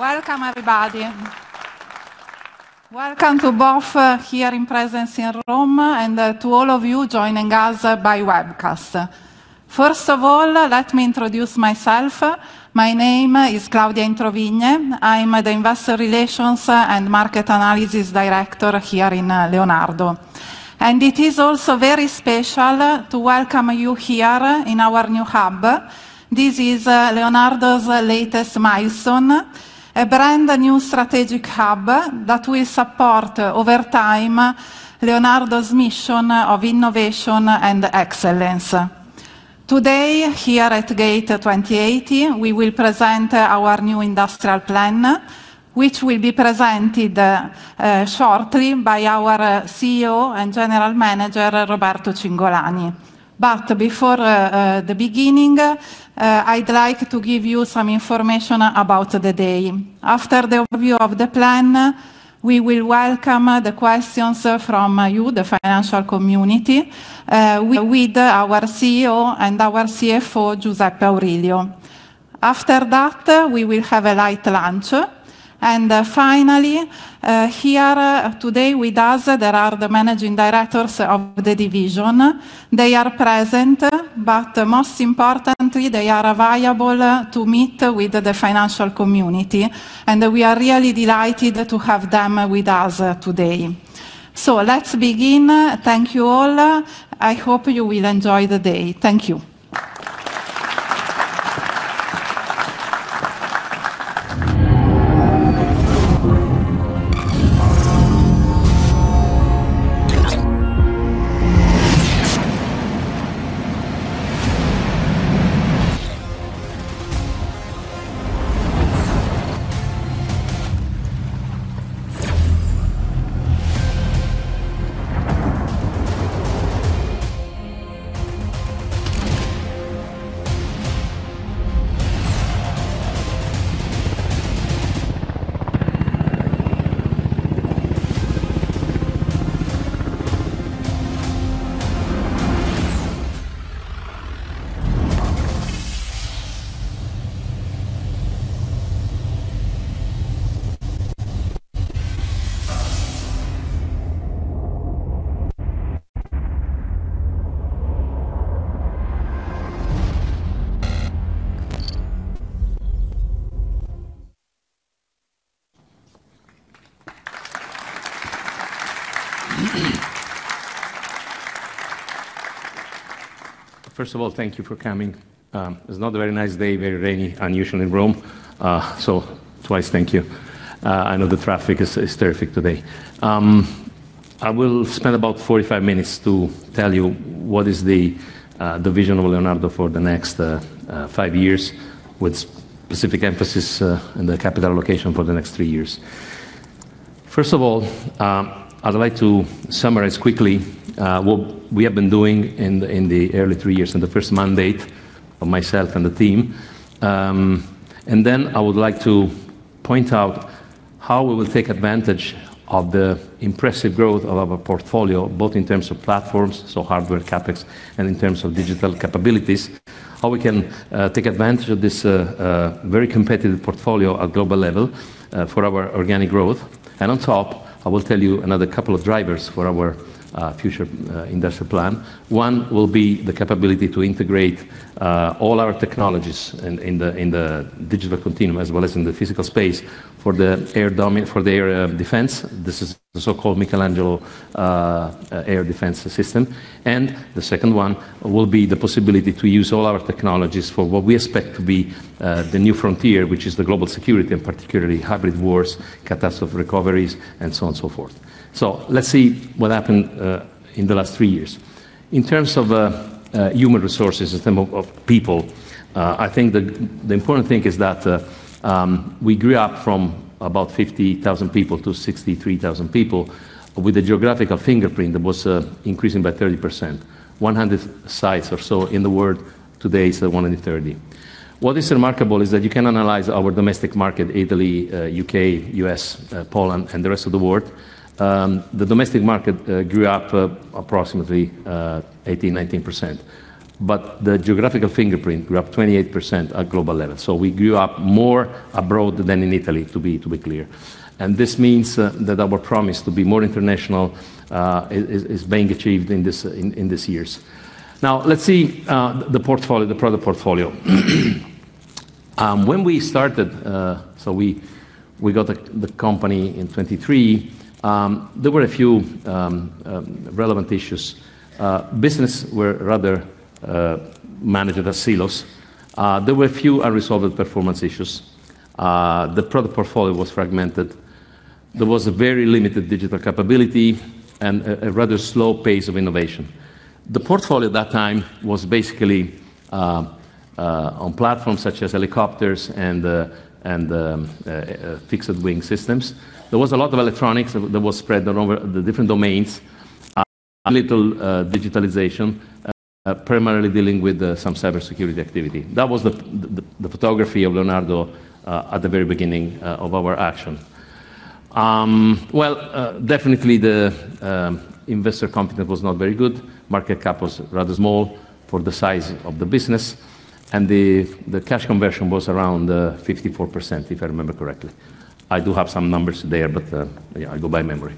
Welcome, everybody. Welcome to both here in presence in Rome and to all of you joining us by webcast. First of all, let me introduce myself. My name is Claudia Introvigne. I'm the Investor Relations and Market Analysis Director here in Leonardo. It is also very special to welcome you here in our new hub. This is Leonardo's latest milestone, a brand new strategic hub that will support over time Leonardo's mission of innovation and excellence. Today, here at Gate 2080, we will present our new industrial plan, which will be presented shortly by our CEO and General Manager, Roberto Cingolani. Before the beginning, I'd like to give you some information about the day. After the overview of the plan, we will welcome the questions from you, the financial community with our CEO and our CFO, Giuseppe Aurilio. After that, we will have a light lunch and finally, here today with us, there are the Managing Directors of the division. They are present, but most importantly, they are available to meet with the financial community, and we are really delighted to have them with us today. Let's begin. Thank you all. I hope you will enjoy the day. Thank you. First of all, thank you for coming. It's not a very nice day, very rainy, unusual in Rome, so twice thank you. I know the traffic is terrific today. I will spend about 45 minutes to tell you what is the vision of Leonardo for the next five years with specific emphasis in the capital allocation for the next three years. First of all, I'd like to summarize quickly what we have been doing in the early three years, in the first mandate of myself and the team. I would like to point out how we will take advantage of the impressive growth of our portfolio, both in terms of platforms, so hardware CapEx and in terms of digital capabilities, how we can take advantage of this very competitive portfolio at global level for our organic growth. On top, I will tell you another couple of drivers for our future industrial plan. One will be the capability to integrate all our technologies in the digital continuum as well as in the physical space for the air domain, for the area of defense. This is the so-called Michelangelo air defense system. The second one will be the possibility to use all our technologies for what we expect to be the new frontier, which is the global security, and particularly hybrid wars, catastrophe recoveries, and so on and so forth. Let's see what happened in the last three years. In terms of human resources, in terms of people, I think the important thing is that we grew up from about 50,000 people to 63,000 people with a geographical footprint that was increasing by 30%, 100 sites or so in the world. Today, it's 130. What is remarkable is that you can analyze our domestic market, Italy, U.K., U.S., Poland and the rest of the world. The domestic market grew up approximately 18%-19%, but the geographical footprint grew up 28% at global level. We grew up more abroad than in Italy, to be clear. This means that our promise to be more international is being achieved in these years. Now, let's see the product portfolio. When we started, we got the company in 2023, there were a few relevant issues. Businesses were rather managed as silos. There were a few unresolved performance issues. The product portfolio was fragmented. There was a very limited digital capability and a rather slow pace of innovation. The portfolio at that time was basically on platforms such as helicopters and fixed wing systems. There was a lot of electronics that was spread around the different domains and very little digitalization, primarily dealing with some cybersecurity activity. That was the photograph of Leonardo at the very beginning of our action. Well, definitely the investor confidence was not very good. Market cap was rather small for the size of the business, and the cash conversion was around 54%, if I remember correctly. I do have some numbers there, but yeah, I go by memory.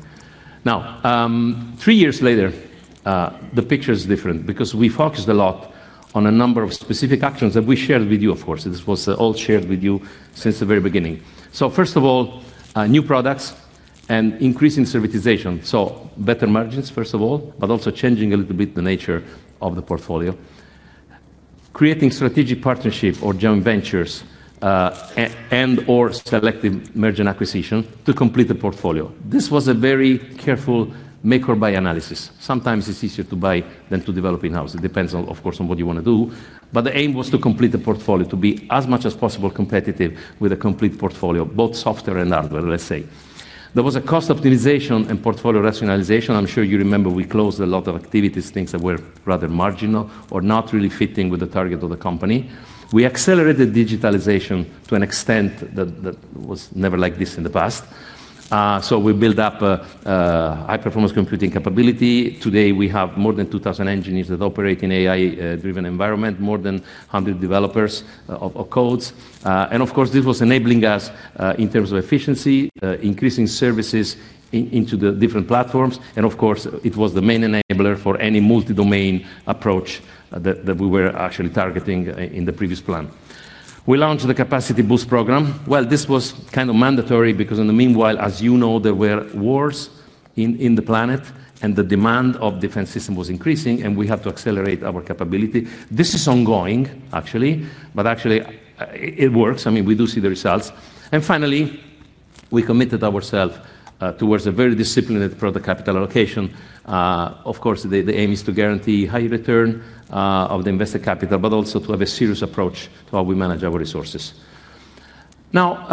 Now, three years later, the picture's different because we focused a lot on a number of specific actions that we shared with you, of course. This was all shared with you since the very beginning. First of all, new products and increasing servitization, so better margins first of all, but also changing a little bit the nature of the portfolio. Creating strategic partnership or joint ventures, and/or selective merger and acquisition to complete the portfolio. This was a very careful make or buy analysis. Sometimes it's easier to buy than to develop in-house. It depends on, of course, on what you wanna do. But the aim was to complete the portfolio, to be as much as possible competitive with a complete portfolio, both software and hardware, let's say. There was a cost optimization and portfolio rationalization. I'm sure you remember we closed a lot of activities, things that were rather marginal or not really fitting with the target of the company. We accelerated digitalization to an extent that was never like this in the past. We built up a high-performance computing capability. Today we have more than 2,000 engineers that operate in AI driven environment, more than 100 developers of codes. And of course, this was enabling us in terms of efficiency, increasing services into the different platforms, and of course, it was the main enabler for any multi-domain approach that we were actually targeting in the previous plan. We launched the capacity boost program. This was kind of mandatory because in the meanwhile, as you know, there were wars in the planet, and the demand of defense system was increasing, and we have to accelerate our capability. This is ongoing actually, but it works. I mean, we do see the results. Finally, we committed ourselves towards a very disciplined product capital allocation. Of course the aim is to guarantee high return of the invested capital, but also to have a serious approach to how we manage our resources. Now,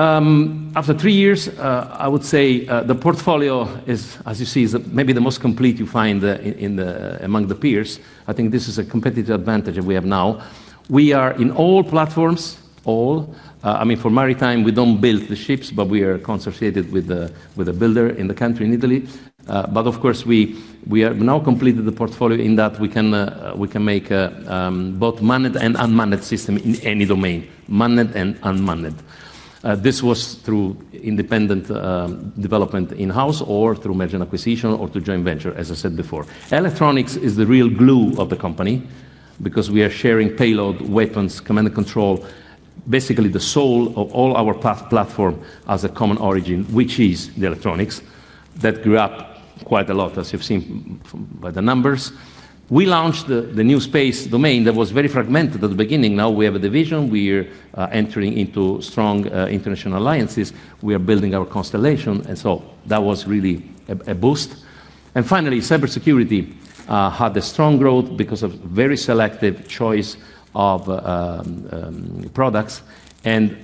after three years, I would say the portfolio is, as you see, maybe the most complete you find among the peers. I think this is a competitive advantage that we have now. We are in all platforms, all. I mean, for maritime, we don't build the ships, but we are contracted with a builder in the country, in Italy. But of course, we have now completed the portfolio in that we can make both manned and unmanned systems in any domain, manned and unmanned. This was through independent development in-house or through merger and acquisition or through joint venture, as I said before. Electronics is the real glue of the company because we are sharing payload, weapons, command and control, basically the soul of all our platform as a common origin, which is the electronics that grew up quite a lot, as you've seen by the numbers. We launched the new space domain that was very fragmented at the beginning. Now we have a division. We're entering into strong international alliances. We are building our constellation. That was really a boost. Finally, cybersecurity had a strong growth because of very selective choice of products.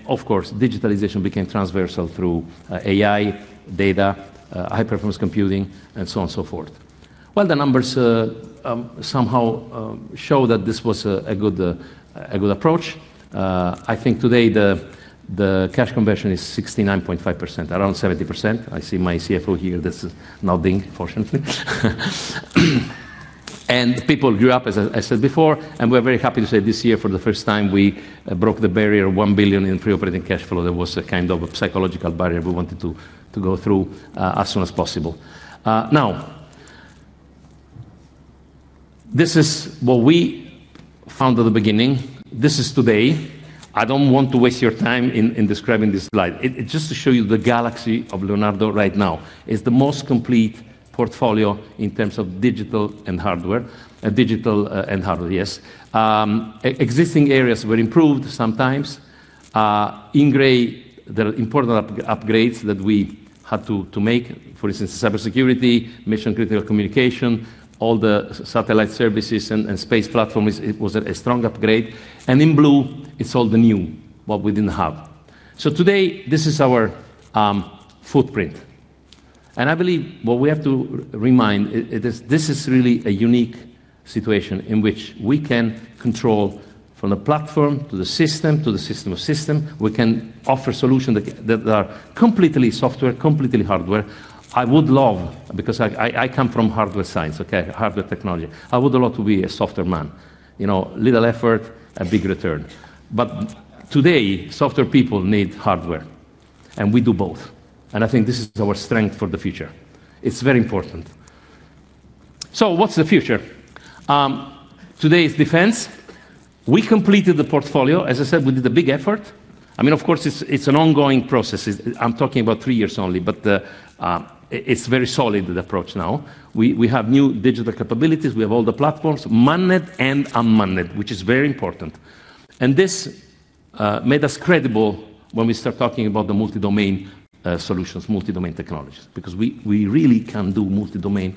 Of course, digitalization became transversal through AI, data, high-performance computing, and so on and so forth. Well, the numbers somehow show that this was a good approach. I think today the cash conversion is 69.5%, around 70%. I see my CFO here that's nodding fortunately. People grew up, as I said before, and we're very happy to say this year for the first time, we broke the barrier of 1 billion in pre-operating cash flow. That was a kind of psychological barrier we wanted to go through as soon as possible. Now, this is what we found at the beginning. This is today. I don't want to waste your time in describing this slide. It's just to show you the galaxy of Leonardo right now. It's the most complete portfolio in terms of digital and hardware, digital and hardware, yes. Existing areas were improved sometimes. In gray, there are important upgrades that we had to make. For instance, cybersecurity, mission-critical communication, all the satellite services and space platform. It was a strong upgrade. In blue, it's all the new, what we didn't have. Today, this is our footprint. I believe what we have to remind is this is really a unique situation in which we can control from the platform to the system to the system of system. We can offer solutions that are completely software, completely hardware. I would love, because I come from hardware science, okay? Hardware technology. I would love to be a software man. You know, little effort, a big return. Today, software people need hardware, and we do both. I think this is our strength for the future. It's very important. What's the future? Today is defense. We completed the portfolio. As I said, we did a big effort. I mean, of course, it's an ongoing process. I'm talking about three years only, but it's very solid, the approach now. We have new digital capabilities. We have all the platforms, manned and unmanned, which is very important. This made us credible when we start talking about the multi-domain solutions, multi-domain technologies, because we really can do multi-domain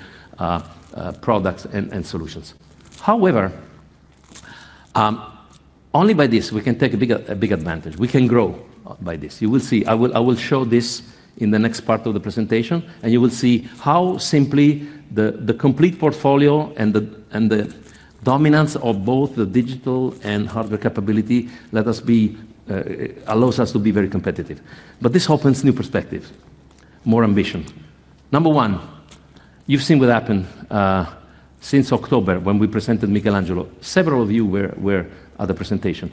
products and solutions. However, only by this we can take a big advantage. We can grow by this. You will see. I will show this in the next part of the presentation, and you will see how simply the complete portfolio and the dominance of both the digital and hardware capability allows us to be very competitive. This opens new perspectives, more ambition. Number one. You've seen what happened since October when we presented Michelangelo. Several of you were at the presentation.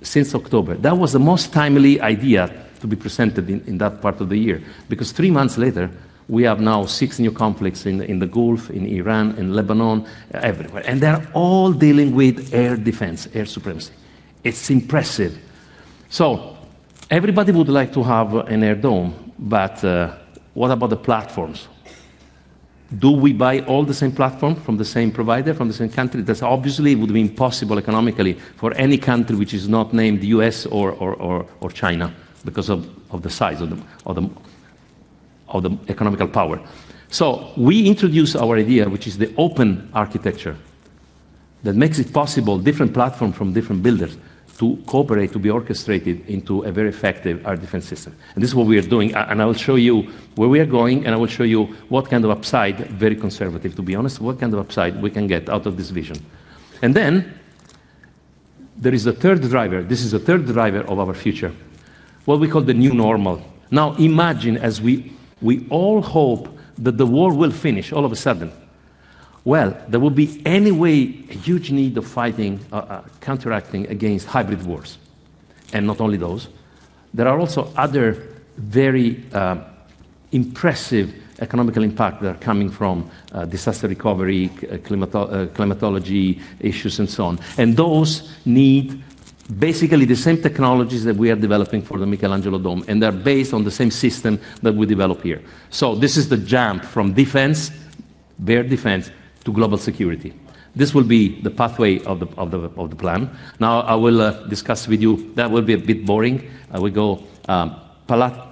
Since October. That was the most timely idea to be presented in that part of the year, because three months later, we have now six new conflicts in the Gulf, in Iran, in Lebanon, everywhere. They're all dealing with air defense, air supremacy. It's impressive. Everybody would like to have an Air Dome, but what about the platforms? Do we buy all the same platform from the same provider, from the same country? That obviously would be impossible economically for any country which is not named U.S. or China because of the size of the economic power. We introduce our idea, which is the open architecture, that makes it possible different platforms from different builders to cooperate, to be orchestrated into a very effective air defense system. This is what we are doing. I will show you where we are going, and I will show you what kind of upside, very conservative, to be honest, what kind of upside we can get out of this vision. Then there is a third driver. This is a third driver of our future, what we call the new normal. Now, imagine as we all hope that the war will finish all of a sudden. Well, there will be anyway a huge need of fighting, counteracting against hybrid wars. Not only those, there are also other very impressive economic impacts that are coming from disaster recovery, climate issues, and so on. Those need basically the same technologies that we are developing for the Michelangelo Dome, and they're based on the same system that we develop here. This is the jump from defense, bare defense, to global security. This will be the pathway of the plan. Now, I will discuss with you. That will be a bit boring. I will go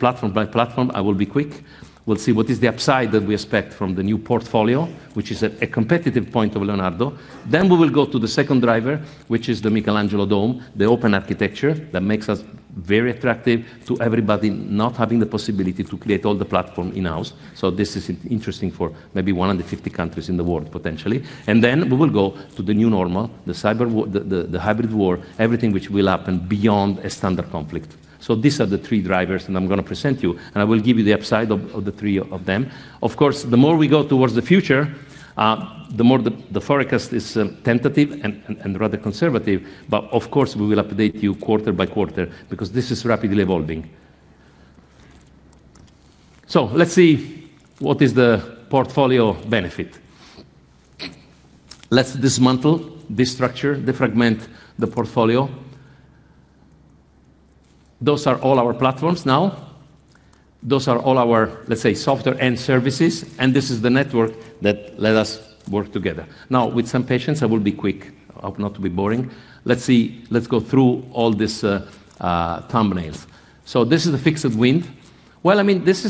platform by platform. I will be quick. We'll see what is the upside that we expect from the new portfolio, which is a competitive point of Leonardo. We will go to the second driver, which is the Michelangelo Dome, the open architecture that makes us very attractive to everybody not having the possibility to create all the platform in-house. This is interesting for maybe 150 countries in the world, potentially. We will go to the new normal, the cyber war, the hybrid war, everything which will happen beyond a standard conflict. These are the three drivers that I'm gonna present you, and I will give you the upside of the three of them. Of course, the more we go towards the future, the more the forecast is tentative and rather conservative. Of course, we will update you quarter by quarter because this is rapidly evolving. Let's see what is the portfolio benefit. Let's dismantle this structure, defragment the portfolio. Those are all our platforms now. Those are all our, let's say, software and services, and this is the network that let us work together. Now, with some patience, I will be quick. I hope not to be boring. Let's see. Let's go through all this, thumbnails. This is the fixed wing. This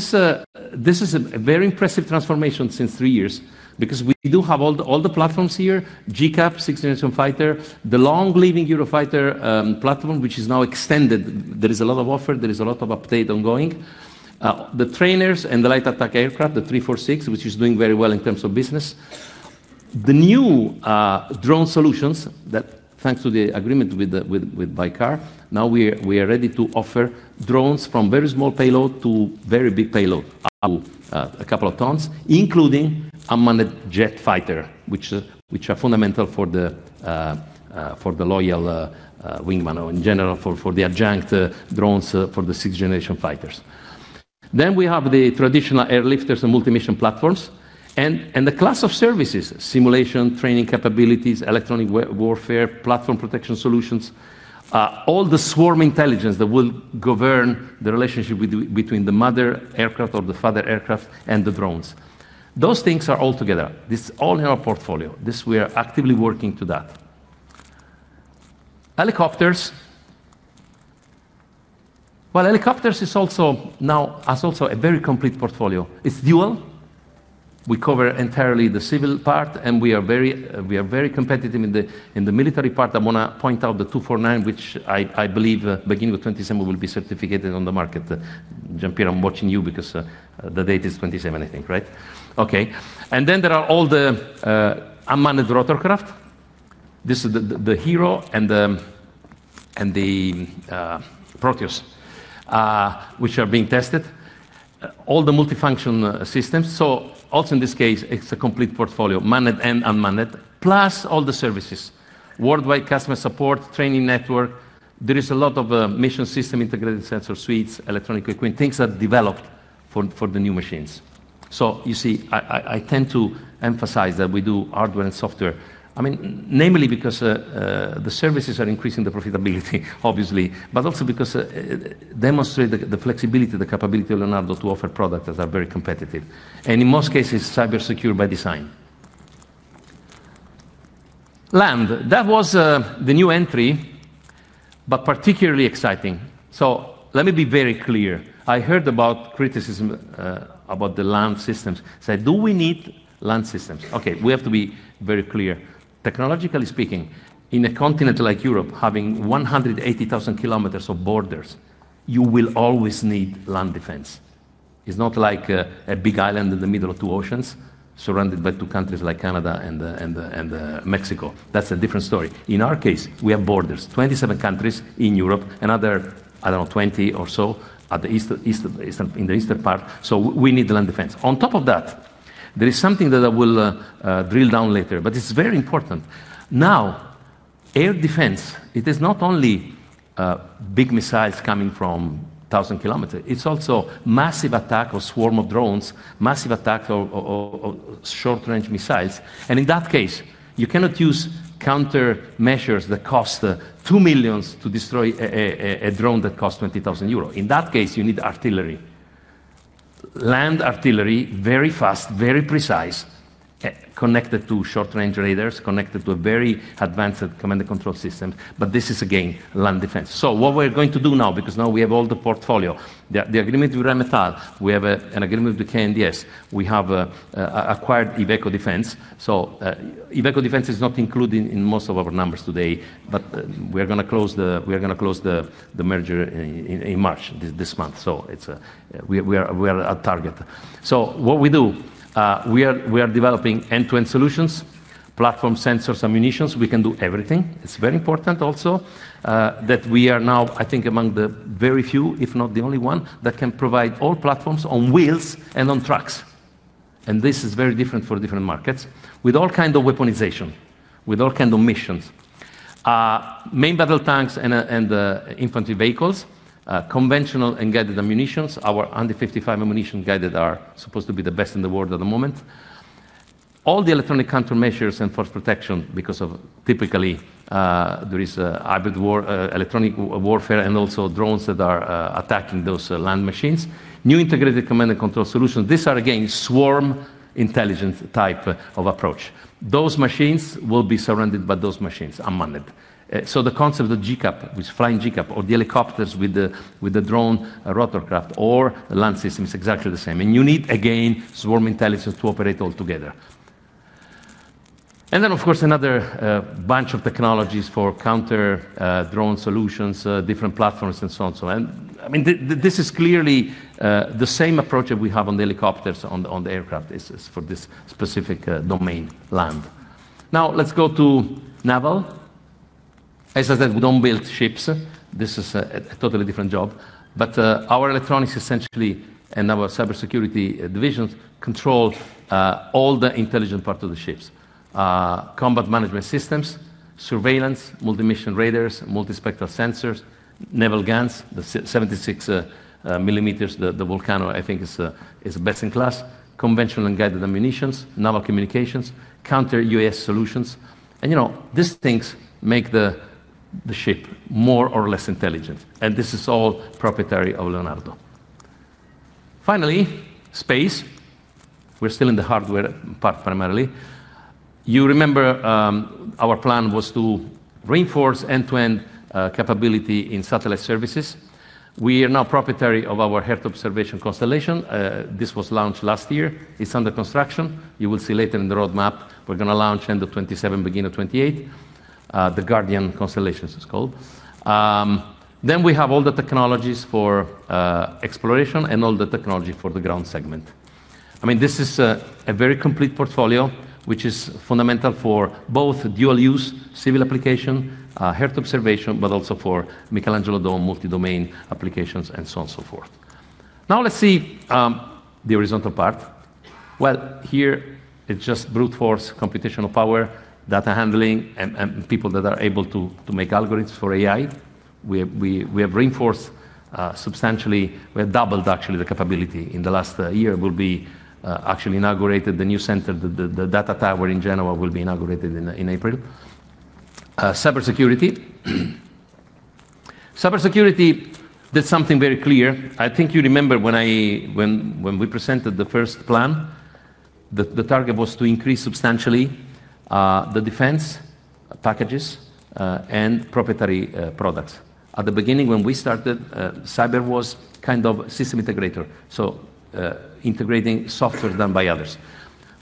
is a very impressive transformation since three years because we do have all the platforms here, GCAP, sixth-generation fighter. The long-living Eurofighter platform, which is now extended. There is a lot of offer. There is a lot of update ongoing. The trainers and the light attack aircraft, the M-346, which is doing very well in terms of business. The new drone solutions that, thanks to the agreement with the Baykar, now we are ready to offer drones from very small payload to very big payload, up to a couple of tons, including unmanned jet fighter, which are fundamental for the loyal wingman or in general for the adjunct drones for the sixth-generation fighters. We have the traditional airlifters and multi-mission platforms and the class of services, simulation, training capabilities, electronic warfare, platform protection solutions, all the swarm intelligence that will govern the relationship between the mother aircraft or the father aircraft and the drones. Those things are all together. This all in our portfolio. We are actively working to that. Helicopters. Well, helicopters has also a very complete portfolio. It's dual. We cover entirely the civil part, and we are very competitive in the military part. I wanna point out the AW249, which I believe beginning of 2027 will be certificated on the market. Jean-Pierre, I'm watching you because the date is 2027, I think, right? Okay. There are all the unmanned rotorcraft. This is the Hero and the Proteus, which are being tested. All the multifunction systems. Also in this case, it's a complete portfolio, manned and unmanned, plus all the services. Worldwide customer support, training network. There is a lot of mission system integrated sensor suites, electronic equipment, things are developed for the new machines. You see, I tend to emphasize that we do hardware and software. I mean, namely because, the services are increasing the profitability obviously, but also because, it demonstrate the flexibility, the capability of Leonardo to offer products that are very competitive, and in most cases, cyber secure by design. Land. That was, the new entry, but particularly exciting. Let me be very clear. I heard about criticism, about the land systems. Say, do we need land systems? Okay, we have to be very clear. Technologically speaking, in a continent like Europe, having 108,000 kilometers of borders, you will always need land defense. It's not like, a big island in the middle of two oceans, surrounded by two countries like Canada and Mexico. That's a different story. In our case, we have borders. 27 countries in Europe and other, I don't know, 20 or so at the east in the eastern part, so we need land defense. On top of that, there is something that I will drill down later, but it's very important. Now, air defense, it is not only big missiles coming from 1,000 kilometer. It's also massive attack of swarm of drones, massive attack of short-range missiles. In that case, you cannot use countermeasures that cost 2 million to destroy a drone that costs 20,000 euros. In that case, you need artillery. Land artillery, very fast, very precise, connected to short-range radars, connected to a very advanced command and control system. This is, again, land defense. What we're going to do now, because now we have all the portfolio, the agreement with Rheinmetall, we have an agreement with KNDS. We have acquired Iveco Defence. Iveco Defence is not included in most of our numbers today, but we're gonna close the merger in March, this month. It's we are at target. What we do, we are developing end-to-end solutions, platform sensors, ammunitions. We can do everything. It's very important also that we are now, I think, among the very few, if not the only one, that can provide all platforms on wheels and on tracks. This is very different for different markets with all kind of weaponization, with all kind of missions. Main battle tanks and infantry vehicles, conventional and guided ammunitions. Our 155 guided ammunition are supposed to be the best in the world at the moment. All the electronic countermeasures and force protection because of typically there is a hybrid war, electronic warfare and also drones that are attacking those land machines. New integrated command and control solutions. These are, again, swarm intelligence type of approach. Those machines will be surrounded by those machines, unmanned. The concept of GCAP, with flying GCAP or the helicopters with the drone rotorcraft or the land system is exactly the same. You need, again, swarm intelligence to operate all together. Of course, another bunch of technologies for counter-drone solutions, different platforms and so on and so on. I mean, this is clearly the same approach that we have on the helicopters on the aircraft. This is for this specific domain, land. Now let's go to naval. As I said, we don't build ships. This is a totally different job. Our electronics essentially, and our cybersecurity divisions control all the intelligent part of the ships. Combat management systems, surveillance, multi-mission radars, multi-spectral sensors, naval guns, the 76 millimeters, the Vulcano, I think is best in class. Conventional and guided ammunitions, naval communications, counter-UAS solutions. You know, these things make the ship more or less intelligent, and this is all proprietary of Leonardo. Finally, space. We're still in the hardware part, primarily. You remember, our plan was to reinforce end-to-end capability in satellite services. We are now proprietary of our earth observation constellation. This was launched last year. It's under construction. You will see later in the roadmap, we're gonna launch end of 2027, beginning of 2028. The Space Guardian constellation, it's called. Then we have all the technologies for exploration and all the technology for the ground segment. I mean, this is a very complete portfolio, which is fundamental for both dual use, civil application, earth observation, but also for Michelangelo domain, multi-domain applications and so on and so forth. Now let's see the horizontal part. Well, here it's just brute force computational power, data handling, and people that are able to make algorithms for AI. We have reinforced substantially. We have doubled, actually, the capability in the last year. We'll actually inaugurate the new center. The data tower in Genoa will be inaugurated in April. Cybersecurity did something very clear. I think you remember when we presented the first plan, the target was to increase substantially the defense packages and proprietary products. At the beginning, when we started, cyber was kind of system integrator, so integrating software done by others.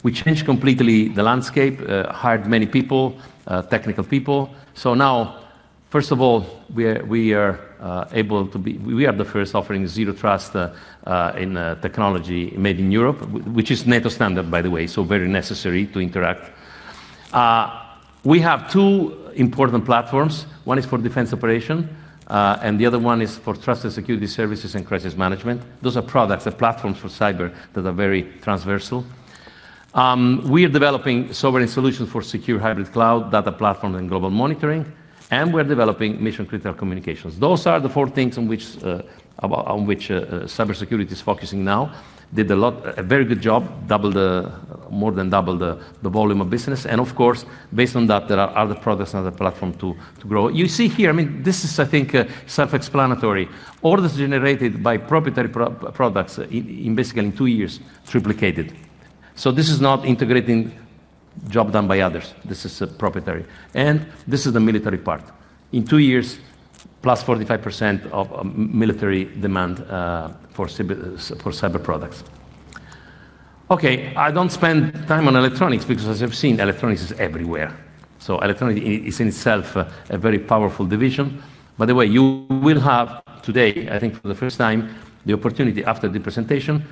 We changed completely the landscape, hired many people, technical people. Now, first of all, we are the first offering zero trust in technology made in Europe, which is NATO standard, by the way, so very necessary to interact. We have two important platforms. One is for defense operation and the other one is for trust and security services and crisis management. Those are products. They're platforms for cyber that are very transversal. We are developing sovereign solutions for secure hybrid cloud data platform and global monitoring, and we're developing mission-critical communications. Those are the four things on which cybersecurity is focusing now. Did a lot, a very good job. Doubled, more than doubled the volume of business. Of course, based on that, there are other products and other platform to grow. You see here, I mean, this is, I think, self-explanatory. Orders generated by proprietary products basically in two years, triplicated. So this is not integrating job done by others. This is proprietary. This is the military part. In two years, +45% of military demand for cyber products. Okay. I don't spend time on electronics because as you've seen, electronics is everywhere. Electronics is in itself a very powerful division. By the way, you will have today, I think for the first time, the opportunity after the presentation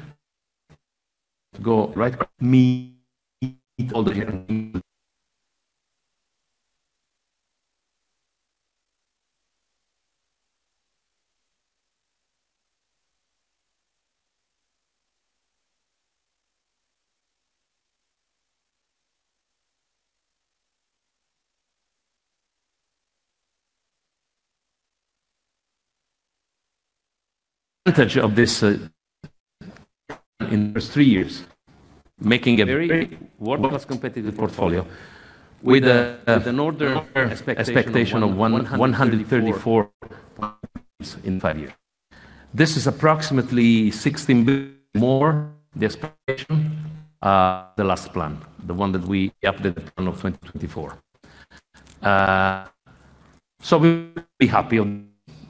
to go, take advantage of this in first three years, making a very world-class competitive portfolio with an order expectation of 134, 5-6x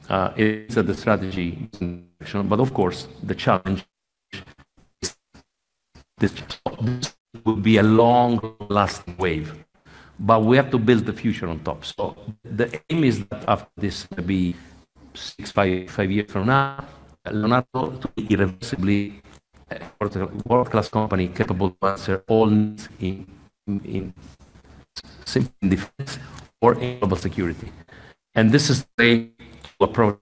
per second.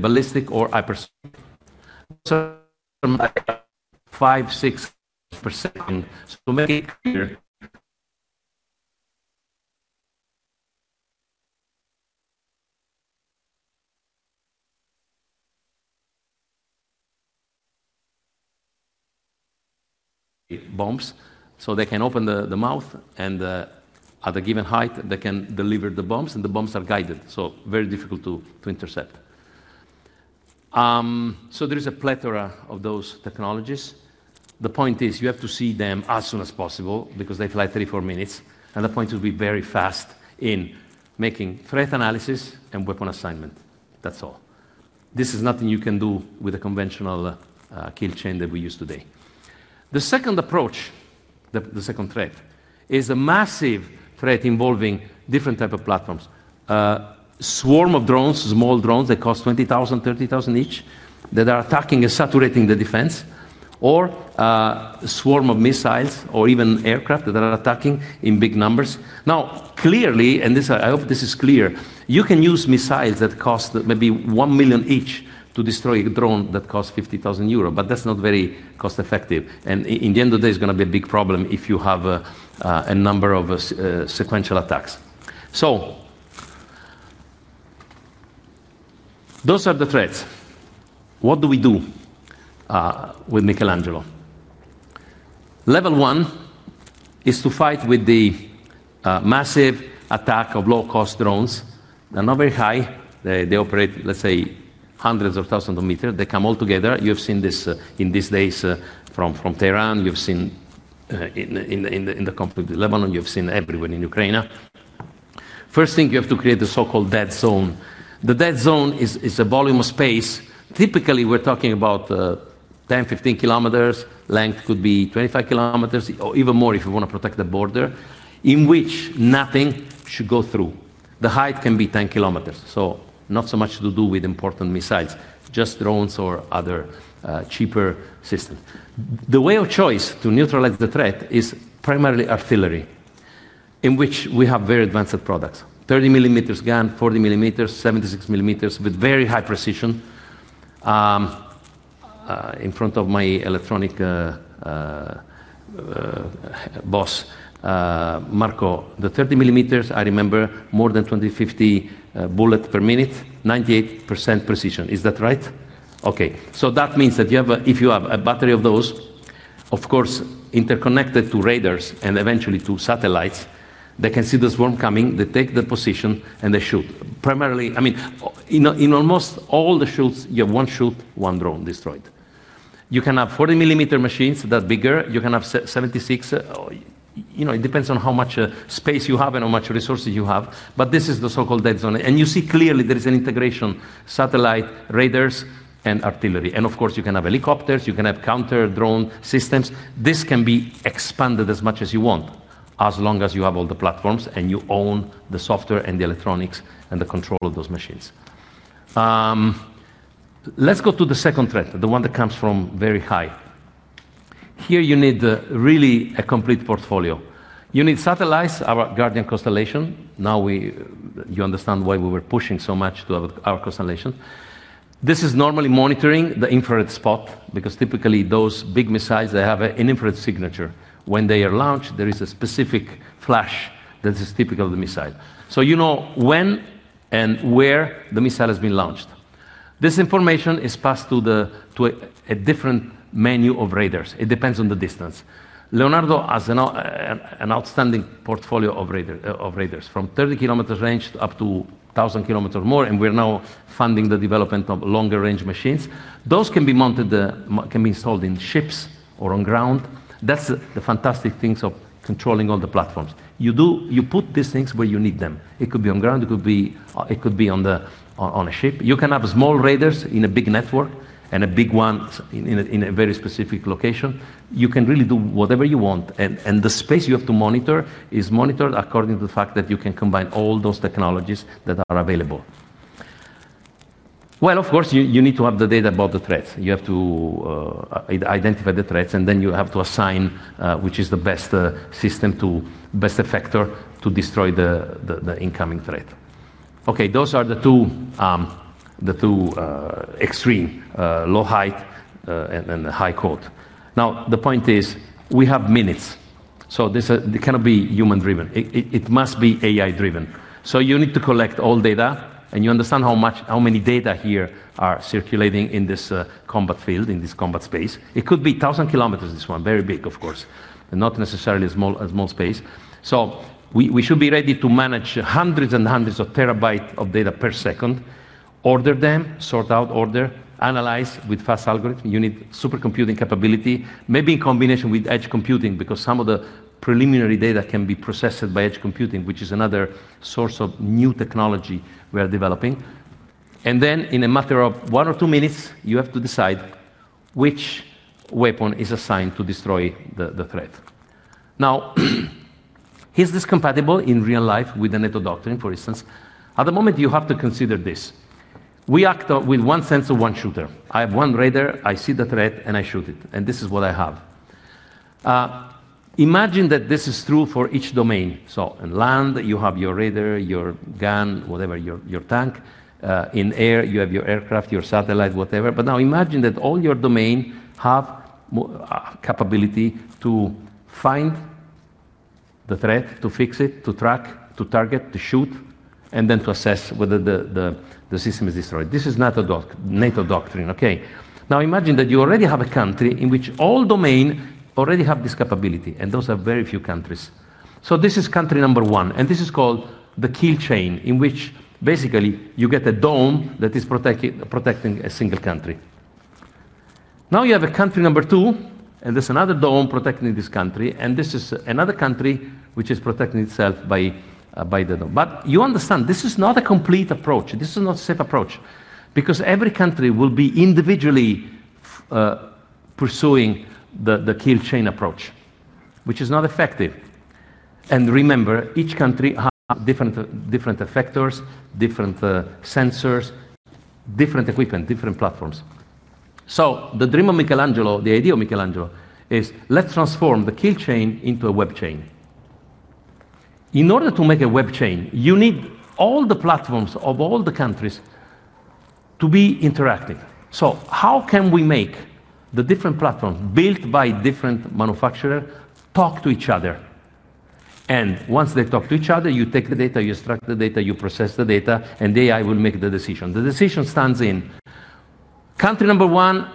Many bombs, so they can open the mouth and at a given height, they can deliver the bombs, and the bombs are guided, so very difficult to intercept. There is a plethora of those technologies. The point is you have to see them as soon as possible because they fly 34 minutes, and the point will be very fast in making threat analysis and weapon assignment. That's all. This is nothing you can do with a conventional kill chain that we use today. The second threat is a massive threat involving different type of platforms. Swarm of drones, small drones that cost 20,000, 30,000 each that are attacking and saturating the defense or swarm of missiles or even aircraft that are attacking in big numbers. Now, clearly, I hope this is clear, you can use missiles that cost maybe 1 million each to destroy a drone that costs 50,000 euros, but that's not very cost-effective. In the end of the day, it's gonna be a big problem if you have a number of sequential attacks. Those are the threats. What do we do with Michelangelo? Level one is to fight the massive attack of low-cost drones. They're not very high. They operate, let's say, hundreds of thousands of meters. They come all together. You have seen this in these days from Tehran. You've seen in the conflict with Lebanon. You have seen everywhere in Ukraine. First thing, you have to create the so-called dead zone. The dead zone is a volume of space. Typically, we're talking about 10, 15 kilometers. Length could be 25 kilometers or even more if you wanna protect the border, in which nothing should go through. The height can be 10 kilometers, so not so much to do with important missiles, just drones or other cheaper systems. The way of choice to neutralize the threat is primarily artillery, in which we have very advanced products. 30 millimeters gun, 40 millimeters, 76 millimeters with very high precision. In front of my electronic boss, Marco, the 30-millimeter, I remember more than 20-50 bullets per minute, 98% precision. Is that right? Okay. That means that you have a battery of those, of course, interconnected to radars and eventually to satellites. They can see the swarm coming. They take the position, and they shoot. Primarily, I mean, in almost all the shots, you have one shot, one drone destroyed. You can have 40-millimeter machines that are bigger. You can have seventy-six. You know, it depends on how much space you have and how much resources you have. This is the so-called dead zone. You see clearly there is an integration, satellite, radars, and artillery. Of course, you can have helicopters. You can have counter-drone systems. This can be expanded as much as you want, as long as you have all the platforms and you own the software and the electronics and the control of those machines. Let's go to the second threat, the one that comes from very high. Here you need really a complete portfolio. You need satellites, our Space Guardian constellation. Now you understand why we were pushing so much to have our constellation. This is normally monitoring the infrared spot because typically those big missiles, they have an infrared signature. When they are launched, there is a specific flash that is typical of the missile. So you know when and where the missile has been launched. This information is passed to a different menu of radars. It depends on the distance. Leonardo has an outstanding portfolio of radars from 30 km range up to 1,000 km or more, and we're now funding the development of longer-range machines. Those can be installed in ships or on ground. That's the fantastic thing of controlling all the platforms. You do, you put these things where you need them. It could be on ground. It could be on a ship. You can have small radars in a big network and a big one in a very specific location. You can really do whatever you want. The space you have to monitor is monitored according to the fact that you can combine all those technologies that are available. Well, of course, you need to have the data about the threats. You have to identify the threats, and then you have to assign which is the best system to best effector to destroy the incoming threat. Okay, those are the two extreme low altitude and then the high altitude. Now, the point is, we have minutes, so this it cannot be human driven. It must be AI driven. So you need to collect all data, and you understand how much, how many data here are circulating in this combat field, in this combat space. It could be thousand kilometers, this one. Very big, of course, and not necessarily a small space. So we should be ready to manage hundreds and hundreds of terabytes of data per second, order them, sort out order, analyze with fast algorithm. You need supercomputing capability, maybe in combination with edge computing because some of the preliminary data can be processed by edge computing, which is another source of new technology we are developing. Then in a matter of one or two minutes, you have to decide which weapon is assigned to destroy the threat. Now, is this compatible in real life with the NATO doctrine, for instance? At the moment, you have to consider this. We act with one sensor, one shooter. I have one radar, I see the threat, and I shoot it, and this is what I have. Imagine that this is true for each domain. In land, you have your radar, your gun, whatever, your tank. In air, you have your aircraft, your satellite, whatever. Now imagine that all your domain have capability to find the threat, to fix it, to track, to target, to shoot, and then to assess whether the system is destroyed. This is NATO doctrine, okay? Now, imagine that you already have a country in which all domain already have this capability, and those are very few countries. This is country number one, and this is called the kill chain, in which basically you get a dome that is protecting a single country. Now you have a country number two, and there's another dome protecting this country, and this is another country which is protecting itself by the dome. You understand, this is not a complete approach. This is not safe approach because every country will be individually pursuing the kill chain approach, which is not effective. Remember, each country have different effectors, different sensors, different equipment, different platforms. The dream of Michelangelo, the idea of Michelangelo is let's transform the kill chain into a kill web. In order to make a kill web, you need all the platforms of all the countries to be interactive. How can we make the different platforms built by different manufacturer talk to each other? Once they talk to each other, you take the data, you extract the data, you process the data, and AI will make the decision. The decision stands in. Country number one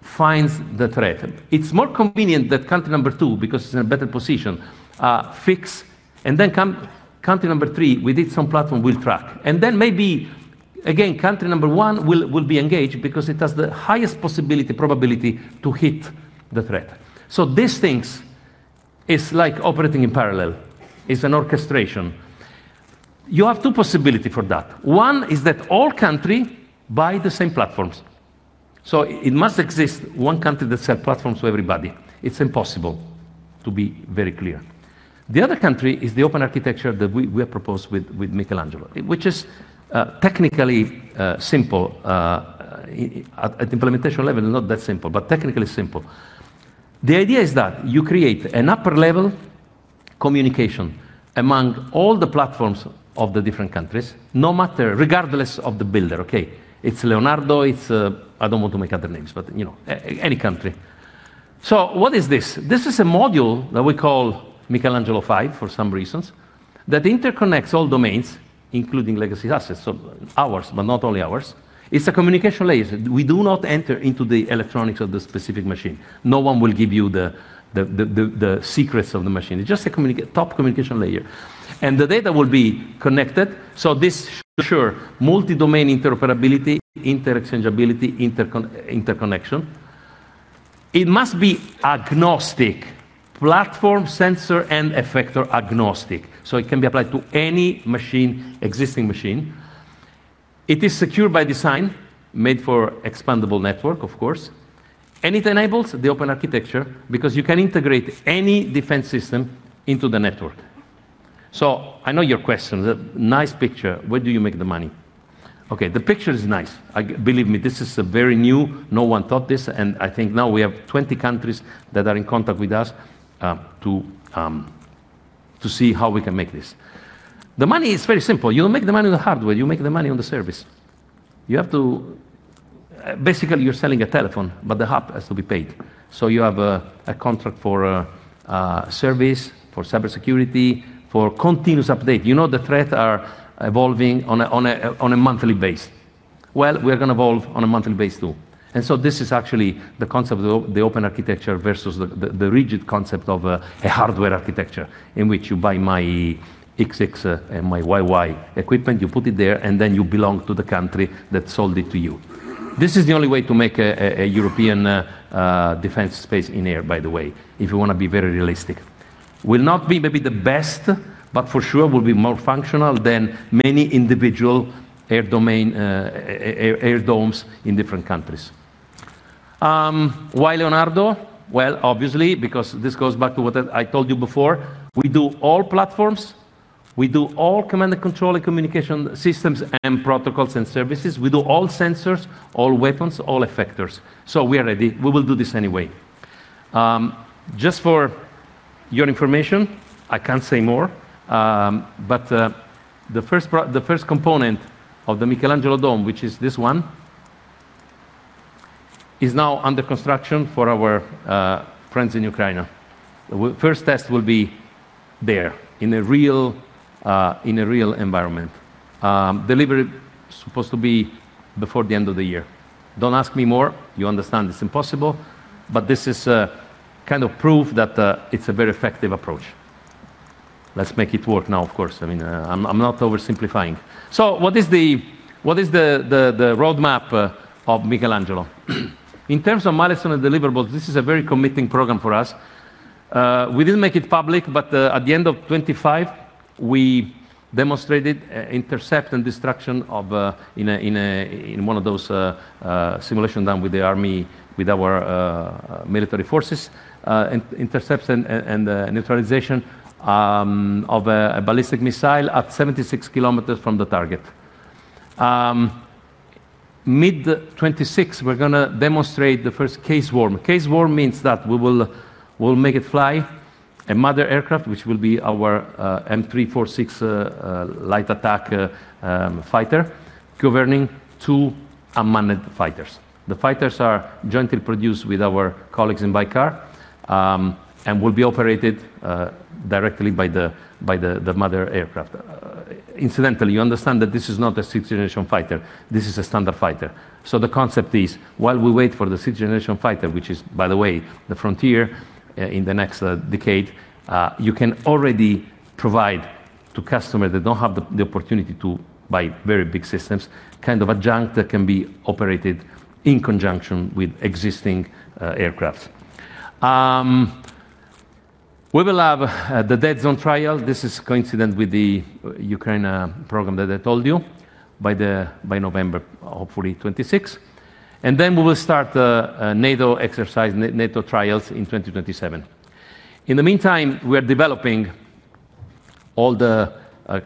finds the threat. It's more convenient that country number two, because it's in a better position, fix, and then country number three, with its own platform, will track. Then maybe again, country number one will be engaged because it has the highest possibility, probability to hit the threat. These things is like operating in parallel. It's an orchestration. You have two possibility for that. One is that all country buy the same platforms. It must exist one country that sell platforms to everybody. It's impossible, to be very clear. The other country is the open architecture that we have proposed with Michelangelo, which is technically simple. At implementation level, not that simple, but technically simple. The idea is that you create an upper level communication among all the platforms of the different countries, no matter, regardless of the builder, okay? It's Leonardo, it's, I don't want to make other names, but, you know, any country. What is this? This is a module that we call Michelangelo, for some reasons, that interconnects all domains, including legacy assets of ours, but not only ours. It's a communication layer. We do not enter into the electronics of the specific machine. No one will give you the secrets of the machine. It's just a top communication layer. The data will be connected, so this ensure multi-domain interoperability, interchangeability, interconnection. It must be agnostic. Platform, sensor, and effector agnostic, so it can be applied to any machine, existing machine. It is secure by design, made for expandable network, of course. It enables the open architecture because you can integrate any defense system into the network. I know your question. Nice picture. Where do you make the money? Okay, the picture is nice. Believe me, this is very new. No one thought this, and I think now we have 20 countries that are in contact with us to see how we can make this. The money is very simple. You don't make the money on the hardware. You make the money on the service. You have to basically you're selling a telephone, but the hub has to be paid. You have a contract for service, for cybersecurity, for continuous update. You know, the threat are evolving on a monthly basis. We're gonna evolve on a monthly basis too. This is actually the concept of the open architecture versus the rigid concept of a hardware architecture in which you buy my XX and my YY equipment, you put it there, and then you belong to the country that sold it to you. This is the only way to make a European defense space in air, by the way, if you wanna be very realistic. Will not be maybe the best, but for sure will be more functional than many individual air domain air domes in different countries. Why Leonardo? Well, obviously because this goes back to what I told you before, we do all platforms, we do all command and control and communication systems and protocols and services. We do all sensors, all weapons, all effectors. We are ready. We will do this anyway. Just for your information, I can't say more, but the first component of the Michelangelo dome, which is this one, is now under construction for our friends in Ukraine. First test will be there in a real environment. Delivery supposed to be before the end of the year. Don't ask me more, you understand it's impossible, but this is a kind of proof that it's a very effective approach. Let's make it work now, of course. I mean, I'm not oversimplifying. What is the roadmap of Michelangelo? In terms of milestones and deliverables, this is a very committing program for us. We didn't make it public, but at the end of 2025, we demonstrated intercept and destruction of, in one of those, simulation done with the army with our military forces, intercepts and neutralization of a ballistic missile at 76 kilometers from the target. Mid 2026, we're gonna demonstrate the first Casewar. Casewar means that we will make it fly a mother aircraft, which will be our M-346 light attack fighter governing two unmanned fighters. The fighters are jointly produced with our colleagues in Baykar, and will be operated directly by the mother aircraft. Incidentally, you understand that this is not a sixth generation fighter, this is a standard fighter. The concept is, while we wait for the sixth generation fighter, which is by the way, the frontier in the next decade, you can already provide to customers that don't have the opportunity to buy very big systems, kind of adjunct that can be operated in conjunction with existing aircraft. We will have the dead zone trial. This is coincident with the Ukraine program that I told you by November, hopefully 2026, and then we will start a NATO exercise, NATO trials in 2027. In the meantime, we are developing all the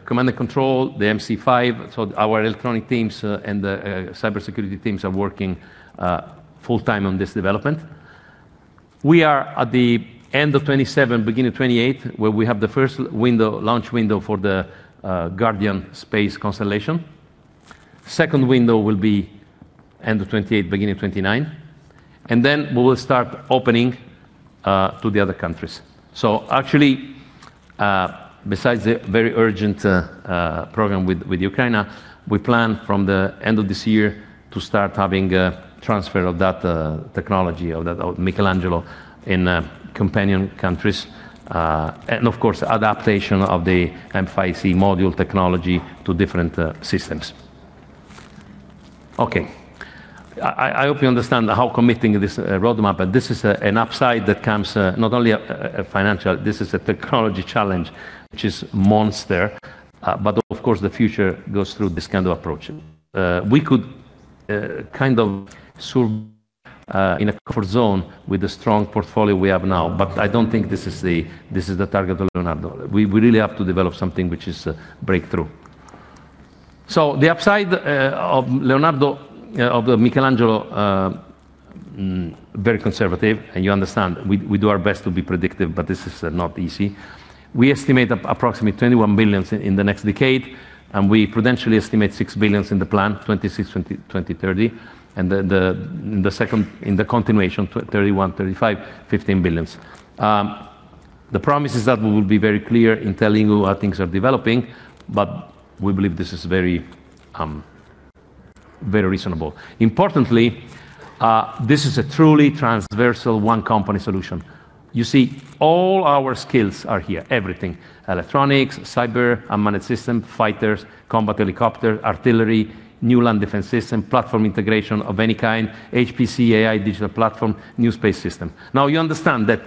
command and control, the C5I. Our electronic teams and the cybersecurity teams are working full-time on this development. We are at the end of 2027, beginning of 2028, where we have the first launch window for the Space Guardian constellation. Second window will be end of 2028, beginning of 2029, and then we will start opening to the other countries. Actually, besides the very urgent program with Ukraine, we plan from the end of this year to start having a transfer of that technology of Michelangelo in companion countries. And of course, adaptation of the M5C module technology to different systems. Okay. I hope you understand how committing this roadmap, but this is an upside that comes not only financial, this is a technology challenge, which is monster. But of course, the future goes through this kind of approach. We could kind of in a comfort zone with the strong portfolio we have now. I don't think this is the target of Leonardo. We really have to develop something which is a breakthrough. The upside of Leonardo of the Michelangelo very conservative, and you understand we do our best to be predictive, but this is not easy. We estimate approximately 21 billion in the next decade, and we prudentially estimate 6 billion in the plan 2026-2030. The second, in the continuation, 2031-2035, 15 billion. The promise is that we will be very clear in telling you how things are developing, but we believe this is very reasonable. Importantly, this is a truly transversal one company solution. You see, all our skills are here, everything, electronics, cyber, unmanned system, fighters, combat helicopter, artillery, new land defense system, platform integration of any kind, HPC, AI, digital platform, new space system. Now you understand that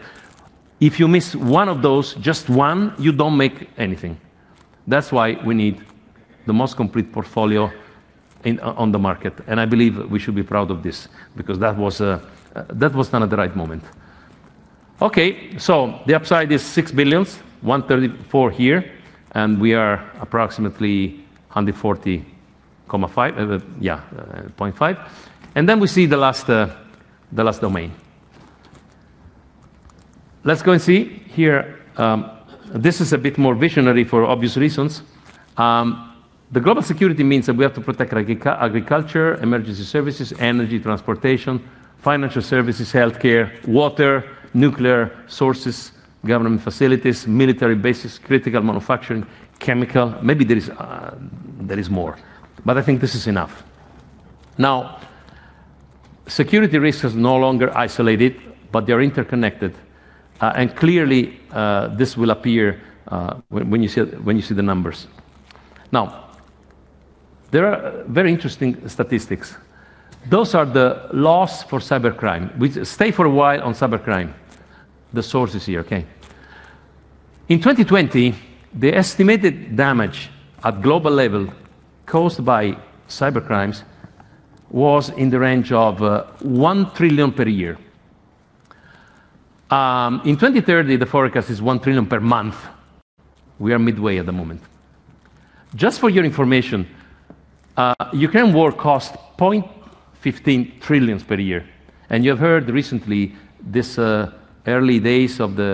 if you miss one of those, just one, you don't make anything. That's why we need the most complete portfolio on the market. I believe we should be proud of this because that was done at the right moment. Okay. The upside is 6 billion, 1.34 here, and we are approximately 140.5, yeah, 0.5. Then we see the last domain. Let's go and see here. This is a bit more visionary for obvious reasons. The global security means that we have to protect agriculture, emergency services, energy, transportation, financial services, healthcare, water, nuclear sources, government facilities, military bases, critical manufacturing, chemical. Maybe there is more, but I think this is enough. Now, security risk is no longer isolated, but they're interconnected. And clearly, this will appear when you see the numbers. Now, there are very interesting statistics. Those are the losses for cybercrime. We stay for a while on cybercrime. The source is here, okay? In 2020, the estimated damage at global level caused by cybercrimes was in the range of $1 trillion per year. In 2030, the forecast is $1 trillion per month. We are midway at the moment. Just for your information, Ukraine war cost $0.15 trillion per year. You have heard recently this early days of the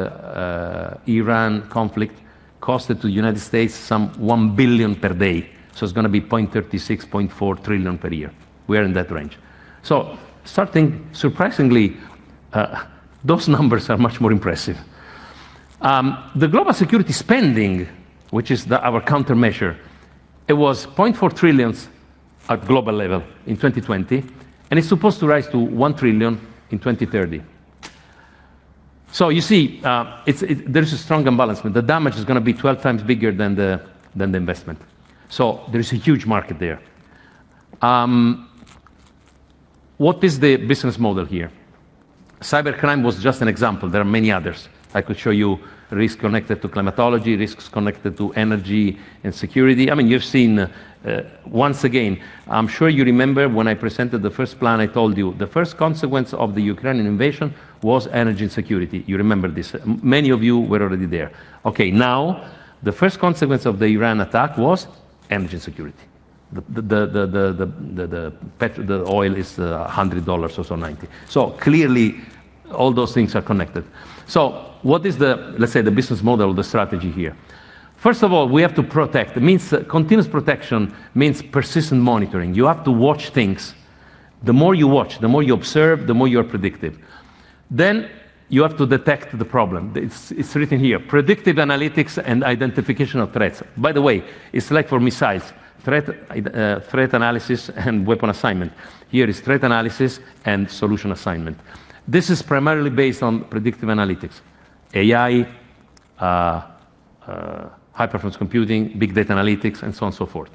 Iran conflict costed the United States some $1 billion per day, so it's gonna be $0.36-$0.4 trillion per year. We are in that range. Surprisingly, those numbers are much more impressive. The global security spending, which is our countermeasure, it was $0.4 trillion at global level in 2020, and it's supposed to rise to $1 trillion in 2030. You see, it's, there's a strong imbalance, but the damage is gonna be 12x bigger than the investment. There is a huge market there. What is the business model here? Cybercrime was just an example. There are many others. I could show you risks connected to climatology, risks connected to energy and security. I mean, you've seen, once again, I'm sure you remember when I presented the first plan, I told you the first consequence of the Ukrainian invasion was energy and security. You remember this. Many of you were already there. Okay. Now, the first consequence of the Iran attack was energy security. The oil is $100 or so, $90. Clearly all those things are connected. What is the, let's say, the business model, the strategy here? First of all, we have to protect. It means, continuous protection means persistent monitoring. You have to watch things. The more you watch, the more you observe, the more you are predictive. Then you have to detect the problem. It's written here, predictive analytics and identification of threats. By the way, it's like for missiles, threat analysis and weapon assignment. Here is threat analysis and solution assignment. This is primarily based on predictive analytics, AI, high-performance computing, big data analytics, and so on and so forth.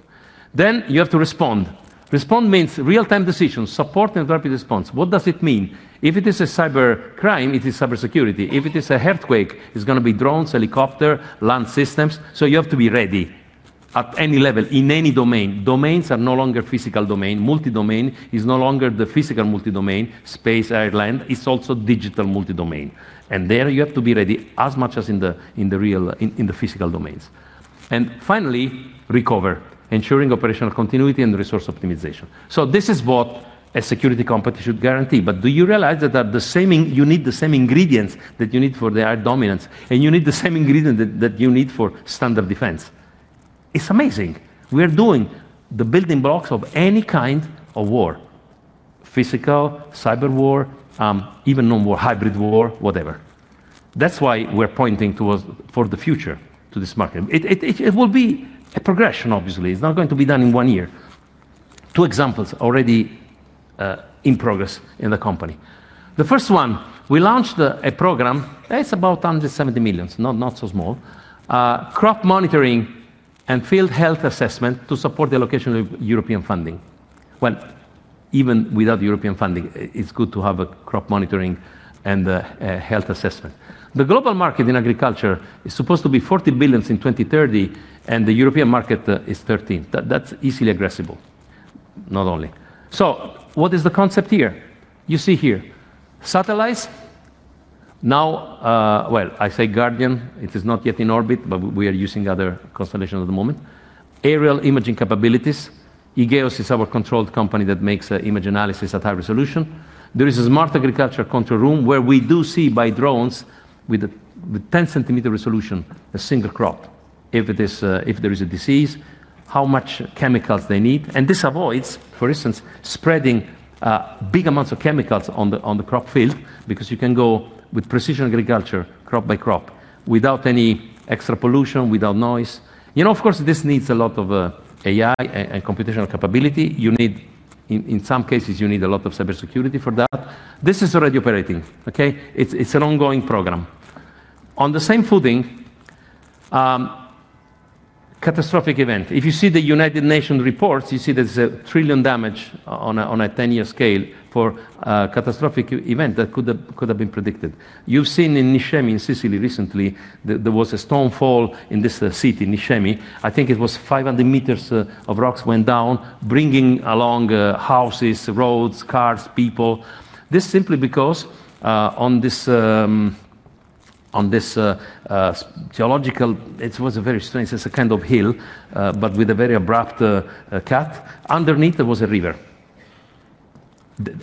Then you have to respond. Respond means real-time decisions, support and rapid response. What does it mean? If it is a cyber crime, it is cybersecurity. If it is a earthquake, it's gonna be drones, helicopter, land systems. So you have to be ready at any level in any domain. Domains are no longer physical domain. Multi-domain is no longer the physical multi-domain. Space, air, and land is also digital multi-domain. There you have to be ready as much as in the real, in the physical domains. Finally, recover. Ensuring operational continuity and resource optimization. This is what a security company should guarantee. Do you realize that you need the same ingredients that you need for the air dominance, and you need the same ingredient that you need for standard defense? It's amazing. We are doing the building blocks of any kind of war, physical, cyber war, even no more hybrid war, whatever. That's why we're pointing towards, for the future, this market. It will be a progression obviously. It's not going to be done in one year. Two examples already in progress in the company. The first one, we launched a program that's about 170 million, not so small. Crop monitoring and field health assessment to support the allocation of European funding. Well, even without European funding, it's good to have a crop monitoring and a health assessment. The global market in agriculture is supposed to be 40 billion in 2030, and the European market is 13 billion. That's easily addressable, not only. What is the concept here? You see here, satellites. Now, well, I say Guardian. It is not yet in orbit, but we are using other constellation at the moment. Aerial imaging capabilities. e-GEOS is our controlled company that makes image analysis at high resolution. There is a smart agriculture control room where we do see by drones with 10-centimeter resolution, a single crop. If there is a disease, how much chemicals they need. This avoids, for instance, spreading big amounts of chemicals on the crop field because you can go with precision agriculture crop by crop without any extra pollution, without noise. You know, of course, this needs a lot of AI and computational capability. You need, in some cases, you need a lot of cybersecurity for that. This is already operating. It's an ongoing program. On the same footing, catastrophic event. If you see the United Nations reports, you see there's 1 trillion damage on a 10-year scale for a catastrophic event that could have been predicted. You've seen in Niscemi in Sicily recently. There was a stone fall in this city, Niscemi. I think it was 500 meters of rocks went down, bringing along houses, roads, cars, people. This simply because on this geological. It was a very strange. It's a kind of hill but with a very abrupt cut. Underneath there was a river.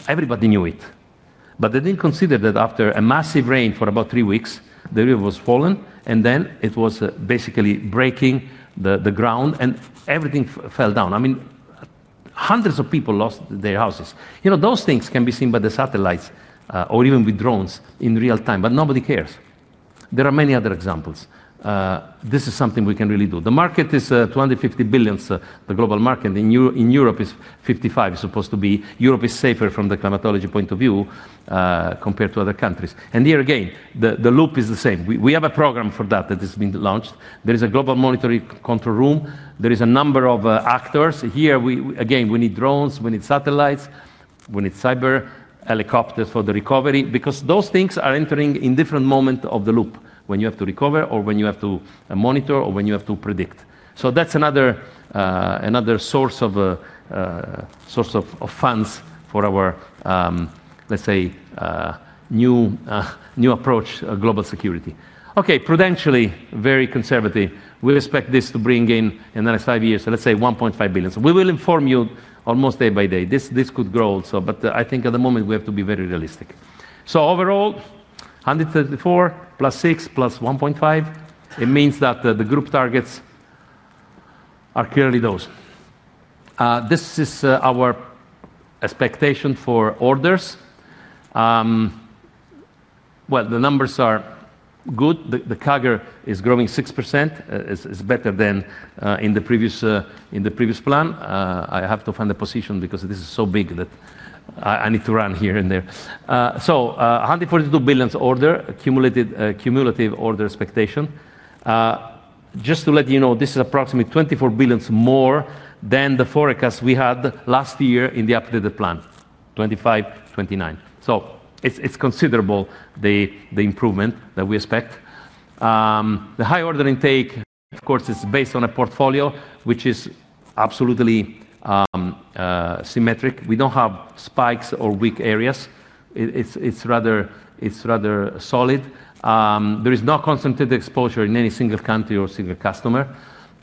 Everybody knew it but they didn't consider that after a massive rain for about three weeks the river was fallen and then it was basically breaking the ground and everything fell down. I mean, hundreds of people lost their houses. You know, those things can be seen by the satellites or even with drones in real time but nobody cares. There are many other examples. This is something we can really do. The market is 250 billion. The global market in Europe is 55 billion, supposed to be. Europe is safer from the climatology point of view compared to other countries. Here again, the loop is the same. We have a program for that that is being launched. There is a global monitoring control room. There is a number of actors. Here, we again need drones. We need satellites. When it's cyber helicopter for the recovery, because those things are entering in different moment of the loop when you have to recover or when you have to monitor or when you have to predict. So that's another source of funds for our, let's say, new approach, global security. Okay, prudently very conservative. We expect this to bring in the next five years, so let's say 1.5 billion. We will inform you almost day by day. This could grow also, but I think at the moment we have to be very realistic. Overall, 134 plus six plus 1.5, it means that the group targets are clearly those. This is our expectation for orders. Well, the numbers are good. The CAGR is growing 6%. It is better than in the previous plan. I have to find a position because this is so big that I need to run here and there. 142 billion order, accumulated, cumulative order expectation. Just to let you know, this is approximately 24 billion more than the forecast we had last year in the updated plan, 2025, 2029. It's considerable, the improvement that we expect. The high order intake of course is based on a portfolio which is absolutely symmetric. We don't have spikes or weak areas. It's rather solid. There is no concentrated exposure in any single country or single customer.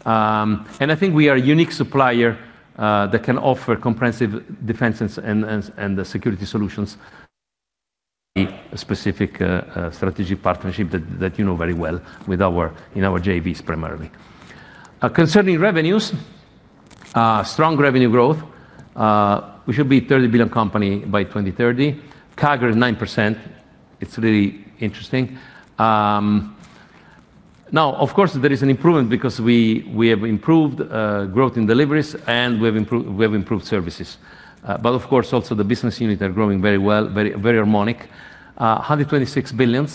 I think we are a unique supplier that can offer comprehensive defenses and security solutions, a specific strategic partnership that you know very well, primarily in our JVs. Concerning revenues, strong revenue growth. We should be a 30 billion company by 2030. CAGR 9%. It's really interesting. Now of course there is an improvement because we have improved growth in deliveries, and we've improved services. Of course also the business units are growing very well, very harmonic. 126 billion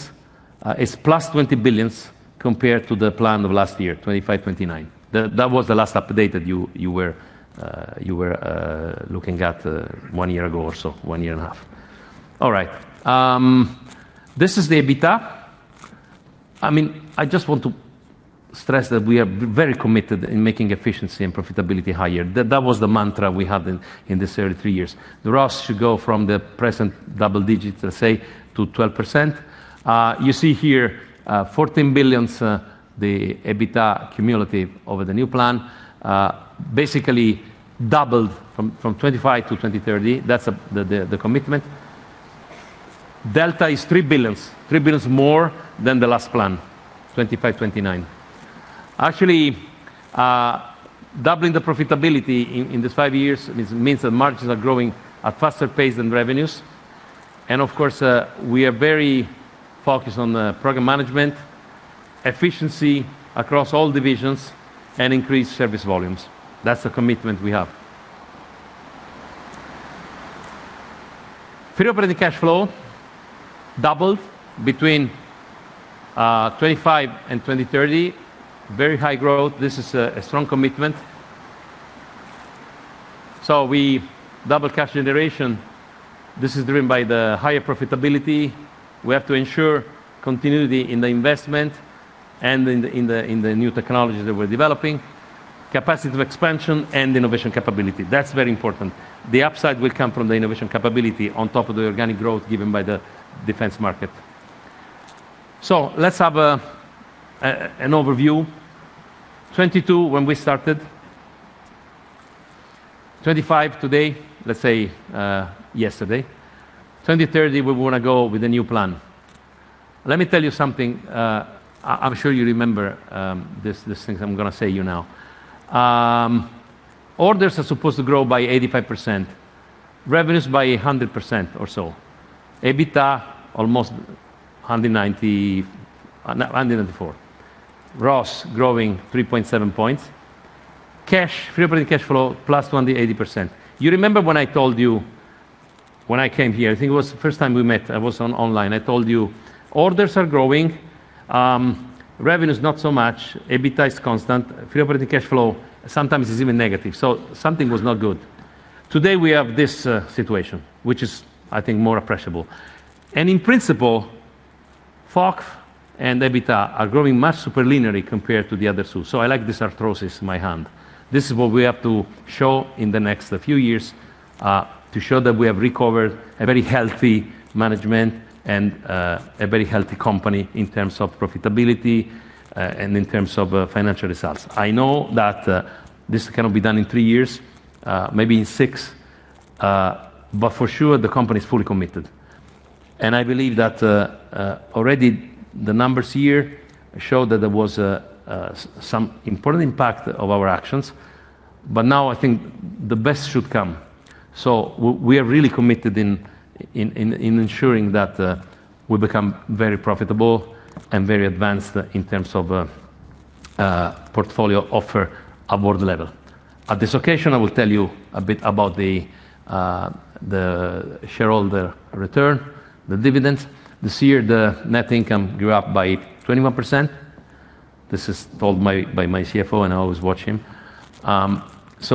is + 20 billion compared to the plan of last year, 2025, 2029. That was the last update that you were looking at one year ago or so, one year and a half. All right. This is the EBITDA. I mean, I just want to stress that we are very committed in making efficiency and profitability higher. That was the mantra we had in these 33 years. The ROS should go from the present double digits, let's say, to 12%. You see here, 14 billion, the EBITDA cumulative over the new plan, basically doubled from 2025-2030. That's the commitment. Delta is 3 billion. 3 billion more than the last plan, 2025, 2029. Actually, doubling the profitability in these five years means that margins are growing at faster pace than revenues. Of course, we are very focused on the program management, efficiency across all divisions, and increased service volumes. That's the commitment we have. Free operating cash flow doubled between 2025 and 2030. Very high growth. This is a strong commitment. We've doubled cash generation. This is driven by the higher profitability. We have to ensure continuity in the investment and in the new technologies that we're developing. Capacity of expansion and innovation capability. That's very important. The upside will come from the innovation capability on top of the organic growth given by the defense market. Let's have an overview. 2022 when we started. 2025 today. Let's say yesterday. 2030, we wanna go with a new plan. Let me tell you something. I'm sure you remember these things I'm gonna say to you now. Orders are supposed to grow by 85%, revenues by 100% or so. EBITDA 104. ROS growing 3.7 points. Cash, free operating cash flow +20-80%. You remember when I told you when I came here, I think it was the first time we met, I was online, I told you orders are growing, revenues not so much, EBITDA is constant, free operating cash flow sometimes is even negative. Something was not good. Today we have this situation, which is, I think, more appreciable. In principle, FOCF and EBITDA are growing much super linearly compared to the other two. I like this arthrosis in my hand. This is what we have to show in the next few years, to show that we have recovered a very healthy management and, a very healthy company in terms of profitability, and in terms of, financial results. I know that, this cannot be done in three years, maybe in six. For sure the company is fully committed. I believe that, already the numbers here show that there was, some important impact of our actions. Now I think the best should come. We are really committed in ensuring that, we become very profitable and very advanced in terms of, portfolio offer at world level. At this occasion, I will tell you a bit about the shareholder return, the dividends. This year, the net income grew up by 21%. This is told by my CFO, and I always watch him.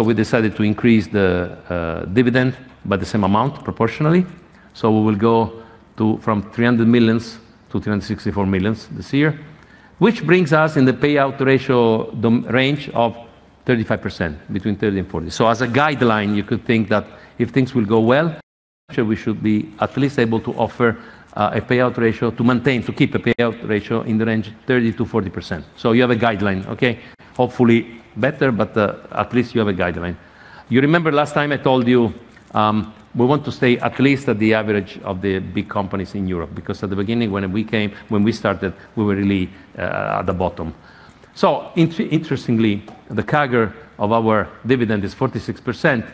We decided to increase the dividend by the same amount proportionally. We will go from 300 million-364 million this year, which brings us in the payout ratio the range of 35%, between 30% and 40%. As a guideline, you could think that if things will go well, actually we should be at least able to offer a payout ratio to maintain, to keep a payout ratio in the range 30%-40%. You have a guideline, okay? Hopefully better, but at least you have a guideline. You remember last time I told you, we want to stay at least at the average of the big companies in Europe, because at the beginning, when we came, when we started, we were really at the bottom. Interestingly, the CAGR of our dividend is 46%,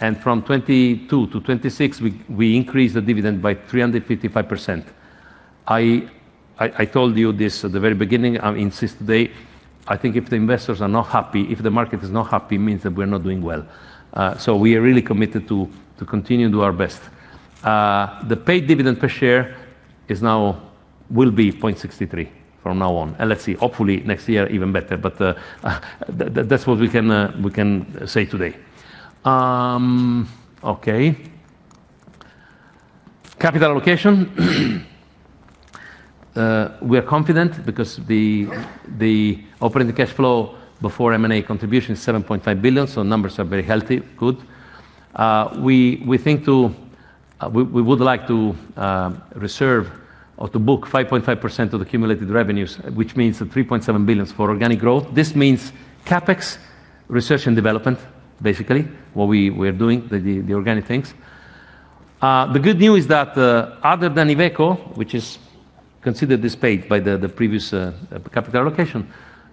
and from 2022-2026, we increased the dividend by 355%. I told you this at the very beginning, I insist today, I think if the investors are not happy, if the market is not happy, it means that we're not doing well. We are really committed to continue to do our best. The paid dividend per share is now, will be 0.63 from now on. Let's see. Hopefully next year, even better. That's what we can say today. Okay. Capital allocation. We are confident because the operating cash flow before M&A contribution is 7.5 billion, so numbers are very healthy. Good. We think to reserve or to book 5.5% of accumulated revenues, which means 3.7 billion for organic growth. This means CapEx, research and development, basically, what we're doing, the organic things. The good news is that other than Iveco, which is considered as paid by the previous capital allocation,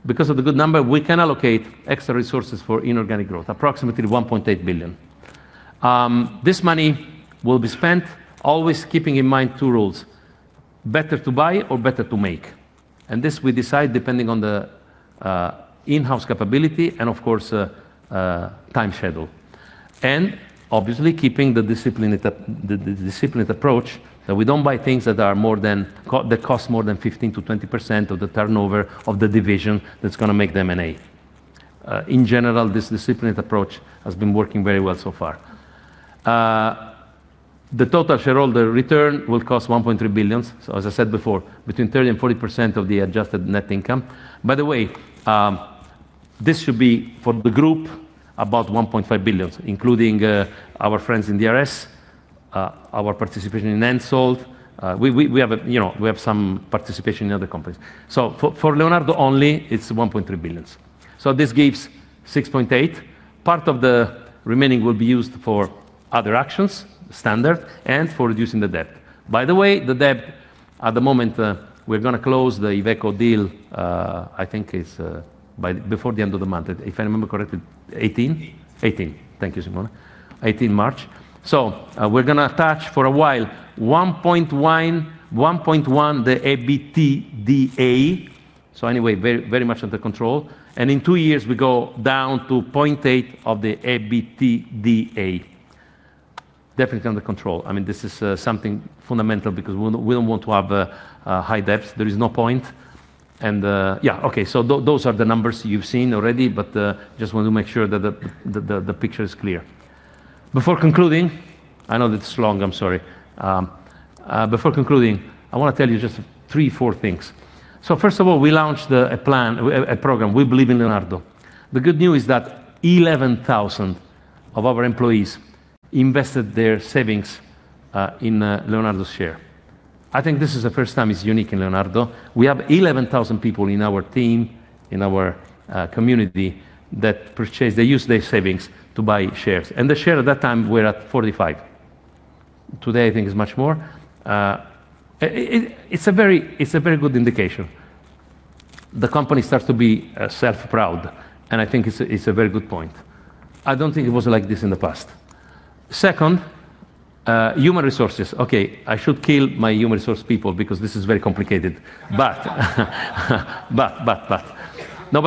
because of the good number, we can allocate extra resources for inorganic growth, approximately 1.8 billion. This money will be spent always keeping in mind two rules. Better to buy or better to make. This we decide depending on the in-house capability and of course time schedule. Obviously, keeping the discipline, the disciplined approach that we don't buy things that are more than that cost more than 15%-20% of the turnover of the division that's gonna make the M&A. In general, this disciplined approach has been working very well so far. The total shareholder return will cost 1.3 billion. As I said before, between 30% and 40% of the adjusted net income. By the way, this should be for the group, about 1.5 billion, including our friends in DRS, our participation in Hensoldt. We have, you know, some participation in other companies. For Leonardo only, it's 1.3 billion. This gives 6.8%. Part of the remaining will be used for other actions, standard, and for reducing the debt. By the way, the debt at the moment, we're gonna close the Iveco deal, I think it's before the end of the month, if I remember correctly. 2018? 18. 18. Thank you, Simone. 18 March. We're gonna be at for a while 1.1.1, the EBITDA. Anyway, very, very much under control. In two years, we go down to 0.8 of the EBITDA. Definitely under control. I mean, this is something fundamental because we don't want to have high debts. There is no point. Those are the numbers you've seen already, but just want to make sure that the picture is clear. Before concluding, I know that it's long. I'm sorry. Before concluding, I want to tell you just three, four things. First of all, we launched a plan, a program, We Believe in Leonardo. The good news is that 11,000 of our employees invested their savings in Leonardo's share. I think this is the first time it's unique in Leonardo. We have 11,000 people in our team, in our community that purchased. They used their savings to buy shares. The share at that time were at 45. Today, I think it's much more. It's a very good indication. The company starts to be self-proud, and I think it's a very good point. I don't think it was like this in the past. Second, human resources. Okay, I should kill my human resource people because this is very complicated.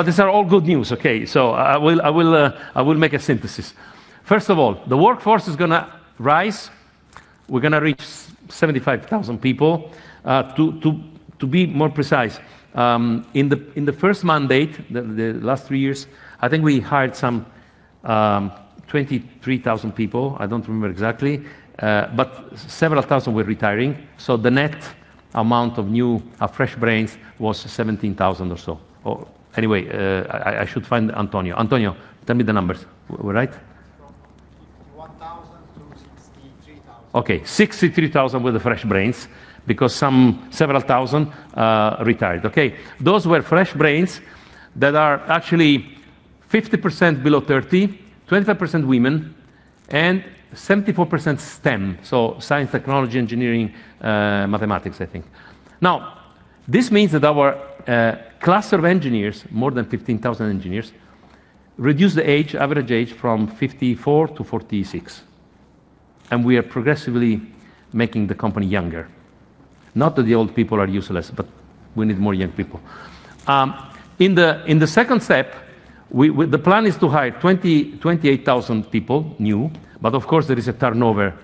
These are all good news, okay? I will make a synthesis. First of all, the workforce is gonna rise. We're gonna reach 75,000 people. To be more precise, in the first mandate, the last three years, I think we hired some 23,000 people. I don't remember exactly. But several thousand were retiring, so the net amount of new fresh brains was 17,000 or so. Anyway, I should find Antonio. Antonio, tell me the numbers. Right? From 51,000-63,000. Okay, 63,000 were the fresh brains because some several thousand retired. Okay, those were fresh brains that are actually 50% below 30, 25% women, and 74% STEM, so science, technology, engineering, mathematics, I think. Now, this means that our class of engineers, more than 15,000 engineers, reduce the age, average age from 54-46, and we are progressively making the company younger. Not that the old people are useless, but we need more young people. In the second step, the plan is to hire 28,000 people, new, but of course there is a turnover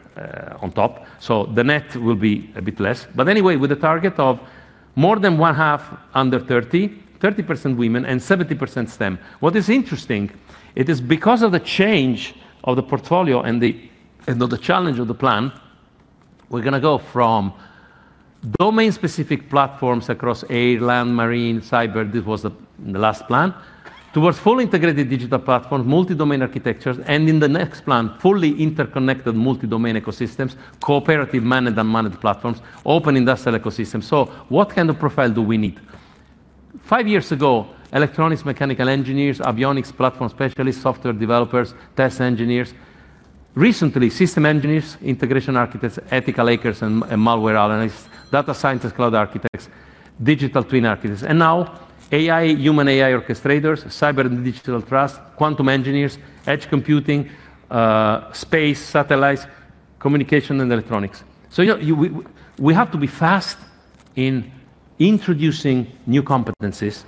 on top, so the net will be a bit less. Anyway, with a target of more than one half under 30% women, and 70% STEM. What is interesting, it is because of the change of the portfolio and of the challenge of the plan, we're gonna go from domain-specific platforms across air, land, marine, cyber, this was the last plan, towards fully integrated digital platforms, multi-domain architectures, and in the next plan, fully interconnected multi-domain ecosystems, cooperative managed platforms, open industrial ecosystems. What kind of profile do we need? Five years ago, electronics, mechanical engineers, avionics platform specialists, software developers, test engineers. Recently, system engineers, integration architects, ethical hackers and malware analysts, data scientists, cloud architects, digital twin architects. Now, AI, human AI orchestrators, cyber and digital trust, quantum engineers, edge computing, space, satellites, communication and electronics. You know, we have to be fast in introducing new competencies,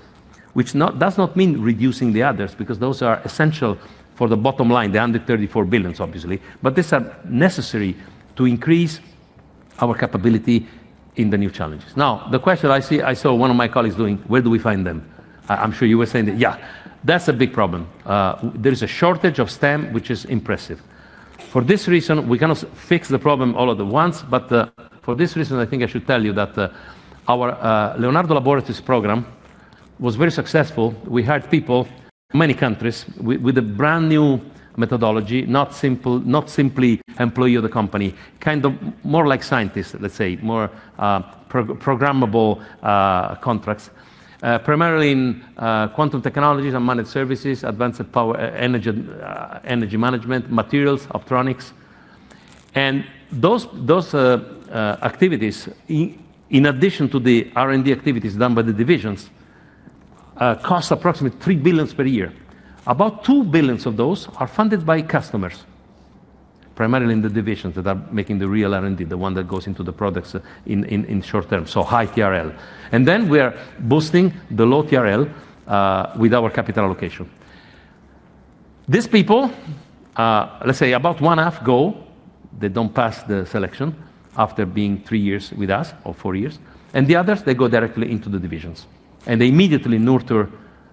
which does not mean reducing the others, because those are essential for the bottom line, the under 34 billion, obviously. These are necessary to increase our capability in the new challenges. Now, the question I see, I saw one of my colleagues doing, where do we find them? I'm sure you were saying that. Yeah. That's a big problem. There is a shortage of STEM, which is impressive. For this reason, we cannot fix the problem all at once, but for this reason, I think I should tell you that our Leonardo Labs program was very successful. We hired people, many countries, with a brand-new methodology, not simply employee of the company, kind of more like scientists, let's say, more programmable contracts. Primarily in quantum technologies, unmanned services, advanced power, energy management, materials, optronics. Those activities in addition to the R&D activities done by the divisions cost approximately 3 billion per year. About 2 billion of those are funded by customers, primarily in the divisions that are making the real R&D, the one that goes into the products in the short term, so high TRL. Then we are boosting the low TRL with our capital allocation. These people, let's say about one half go, they don't pass the selection after being three years with us, or four years, and the others, they go directly into the divisions, and they immediately nurture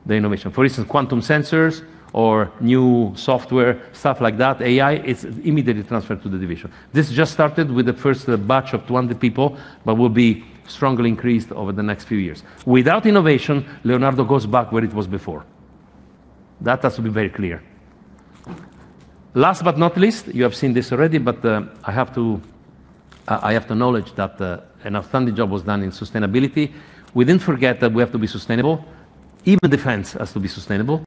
the innovation. For instance, quantum sensors or new software, stuff like that, AI, it's immediately transferred to the division. This just started with the first batch of 20 people, but will be strongly increased over the next few years. Without innovation, Leonardo goes back where it was before. That has to be very clear. Last but not least, you have seen this already, but I have to acknowledge that an outstanding job was done in sustainability. We didn't forget that we have to be sustainable, even defense has to be sustainable.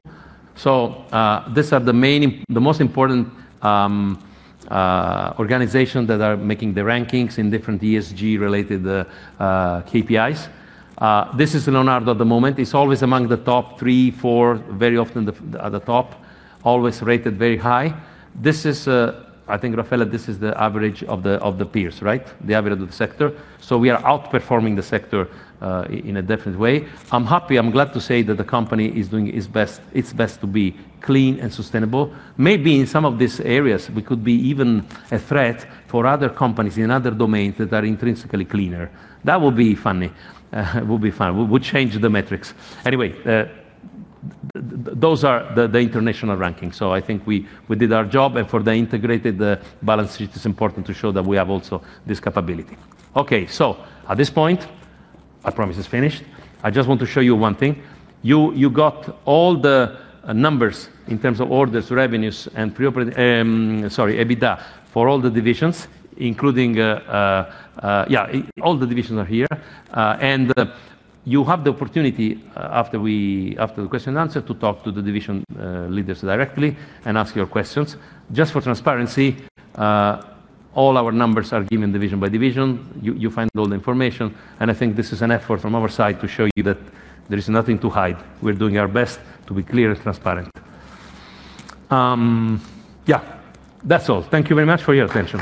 These are the main, the most important organizations that are making the rankings in different ESG-related KPIs. This is Leonardo at the moment. It's always among the top three, four, very often at the top, always rated very high. This is, I think, Raffaele, this is the average of the peers, right? The average of the sector. We are outperforming the sector in a different way. I'm happy, I'm glad to say that the company is doing its best to be clean and sustainable. Maybe in some of these areas, we could be even a threat for other companies in other domains that are intrinsically cleaner. That would be funny. We change the metrics. Anyway, those are the international rankings, so I think we did our job, and for the integrated balance sheet, it's important to show that we have also this capability. Okay. At this point, I promise it's finished, I just want to show you one thing. You got all the numbers in terms of orders, revenues, and EBITDA for all the divisions, including all the divisions are here. You have the opportunity, after the question and answer, to talk to the division leaders directly and ask your questions. Just for transparency, all our numbers are given division by division. You find all the information, and I think this is an effort from our side to show you that there is nothing to hide. We're doing our best to be clear and transparent. That's all. Thank you very much for your attention.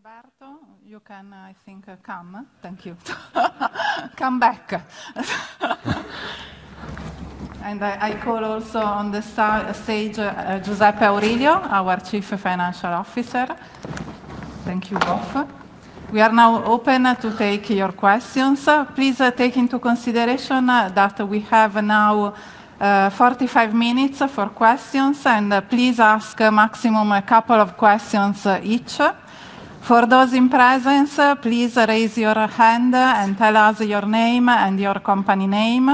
Thank you, Roberto. You can, I think, come. Thank you. Come back. I call also on the stage, Giuseppe Aurilio, our chief financial officer. Thank you both. We are now open to take your questions. Please take into consideration that we have now 45 minutes for questions, and please ask maximum a couple of questions each. For those in presence, please raise your hand and tell us your name and your company name.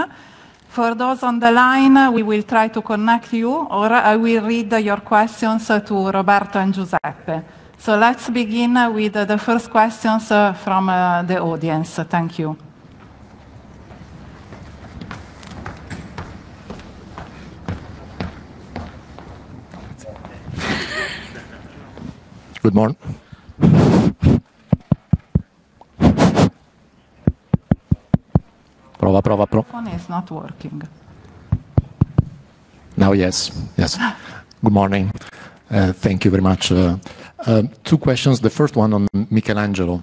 For those on the line, we will try to connect you, or I will read your questions to Roberto and Giuseppe. Let's begin with the first questions from the audience. Thank you. Good morn- The phone is not working. Yes. Good morning. Thank you very much. Two questions, the first one on Michelangelo.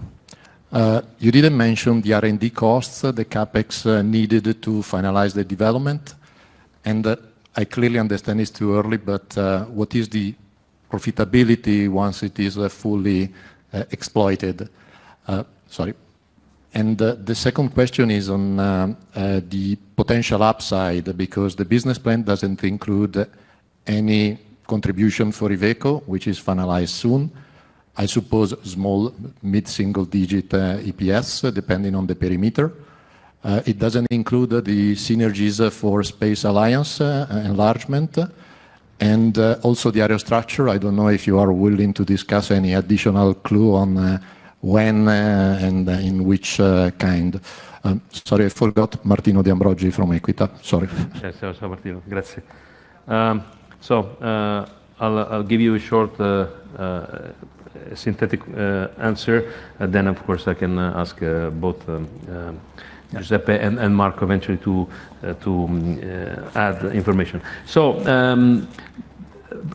You didn't mention the R&D costs, the CapEx needed to finalize the development, and I clearly understand it's too early, but what is the profitability once it is fully exploited? Sorry. The second question is on the potential upside, because the business plan doesn't include any contribution for Iveco, which is finalized soon. I suppose small mid-single digit EPS, depending on the perimeter. It doesn't include the synergies for Space Alliance enlargement and also the aerostructures. I don't know if you are willing to discuss any additional clue on when and in which kind. Sorry, I forgot, Martino De Ambroggi from Equita. Sorry. Yes, yes, Martino. Grazie. I'll give you a short, synthetic answer, and then, of course, I can ask both. Yes... Giuseppe Aurilio and Marco eventually to add information.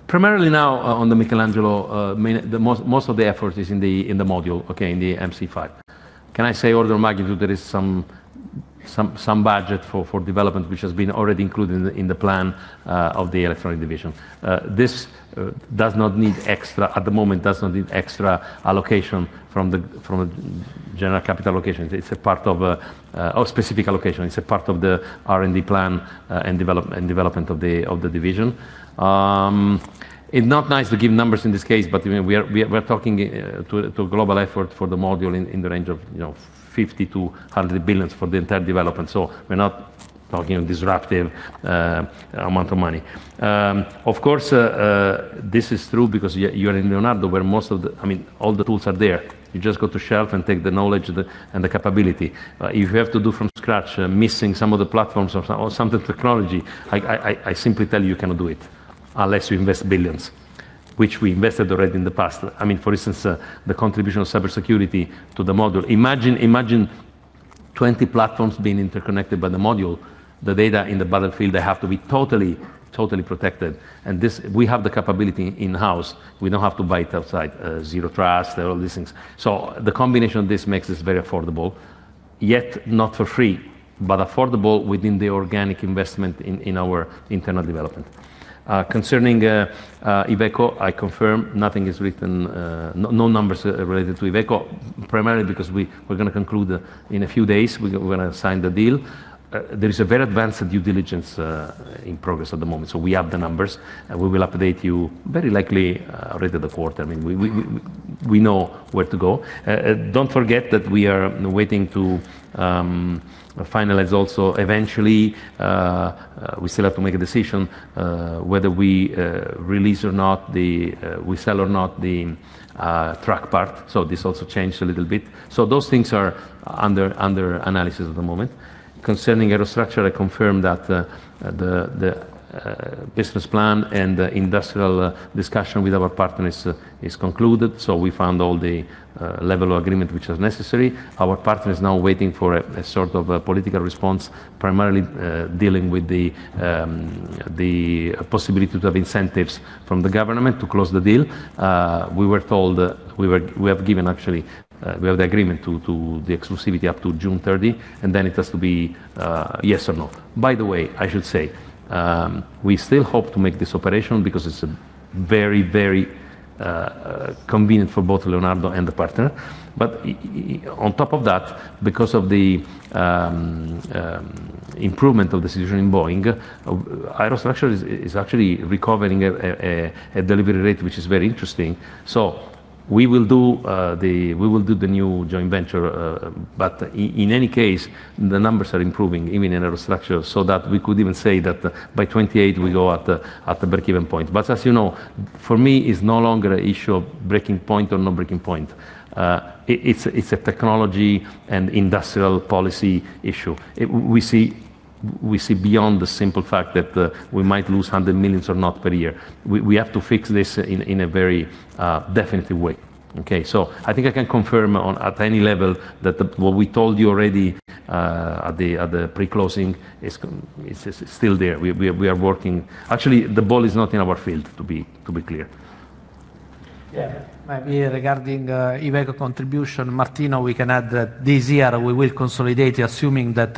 Primarily now on the Michelangelo, mainly the most of the effort is in the module, okay, in the MC 5. Can I say order of magnitude, there is some budget for development which has been already included in the plan of the electronic division. This does not need extra allocation from a general capital allocation, at the moment. It's a part of a specific allocation. It's a part of the R&D plan and development of the division. It's not nice to give numbers in this case, but I mean, we're talking about a global effort for the module in the range of, you know, 50-100 billion for the entire development. We're not talking a disruptive amount of money. Of course, this is true because you're in Leonardo, where most of the I mean, all the tools are there. You just go off the shelf and take the knowledge and the capability. If you have to do from scratch, missing some of the platforms or some of the technology, I simply tell you cannot do it unless you invest billions, which we invested already in the past. I mean, for instance, the contribution of cybersecurity to the module. Imagine 20 platforms being interconnected by the module, the data in the battlefield, they have to be totally protected. This, we have the capability in-house. We don't have to buy it outside, zero trust, all these things. The combination of this makes this very affordable, yet not for free, but affordable within the organic investment in our internal development. Concerning Iveco, I confirm nothing is written, no numbers related to Iveco, primarily because we're gonna conclude in a few days. We're gonna sign the deal. There is a very advanced due diligence in progress at the moment, so we have the numbers, and we will update you very likely already the fourth. I mean, we know where to go. Don't forget that we are waiting to finalize also eventually. We still have to make a decision whether we sell or not the track part. This also changed a little bit. Those things are under analysis at the moment. Concerning aerostructure, I confirm that the business plan and the industrial discussion with our partner is concluded, so we found all the level of agreement which is necessary. Our partner is now waiting for a sort of a political response, primarily dealing with the possibility to have incentives from the government to close the deal. We actually have the agreement to the exclusivity up to June 30, and then it has to be yes or no. By the way, I should say, we still hope to make this operation because it's very convenient for both Leonardo and the partner. On top of that, because of the improvement of the situation in Boeing, aerostructures is actually recovering a delivery rate, which is very interesting. We will do the new joint venture, but in any case, the numbers are improving even in aerostructures, so that we could even say that by 2028, we go at the breakeven point. As you know, for me, it's no longer an issue of breaking point or no breaking point. It's a technology and industrial policy issue. We see beyond the simple fact that we might lose 100 million or not per year. We have to fix this in a very definitive way, okay? I think I can confirm, at any level, that what we told you already at the pre-closing is still there. We are working. Actually, the ball is not in our court, to be clear. Yeah. Maybe regarding Iveco contribution, Martino, we can add that this year we will consolidate, assuming that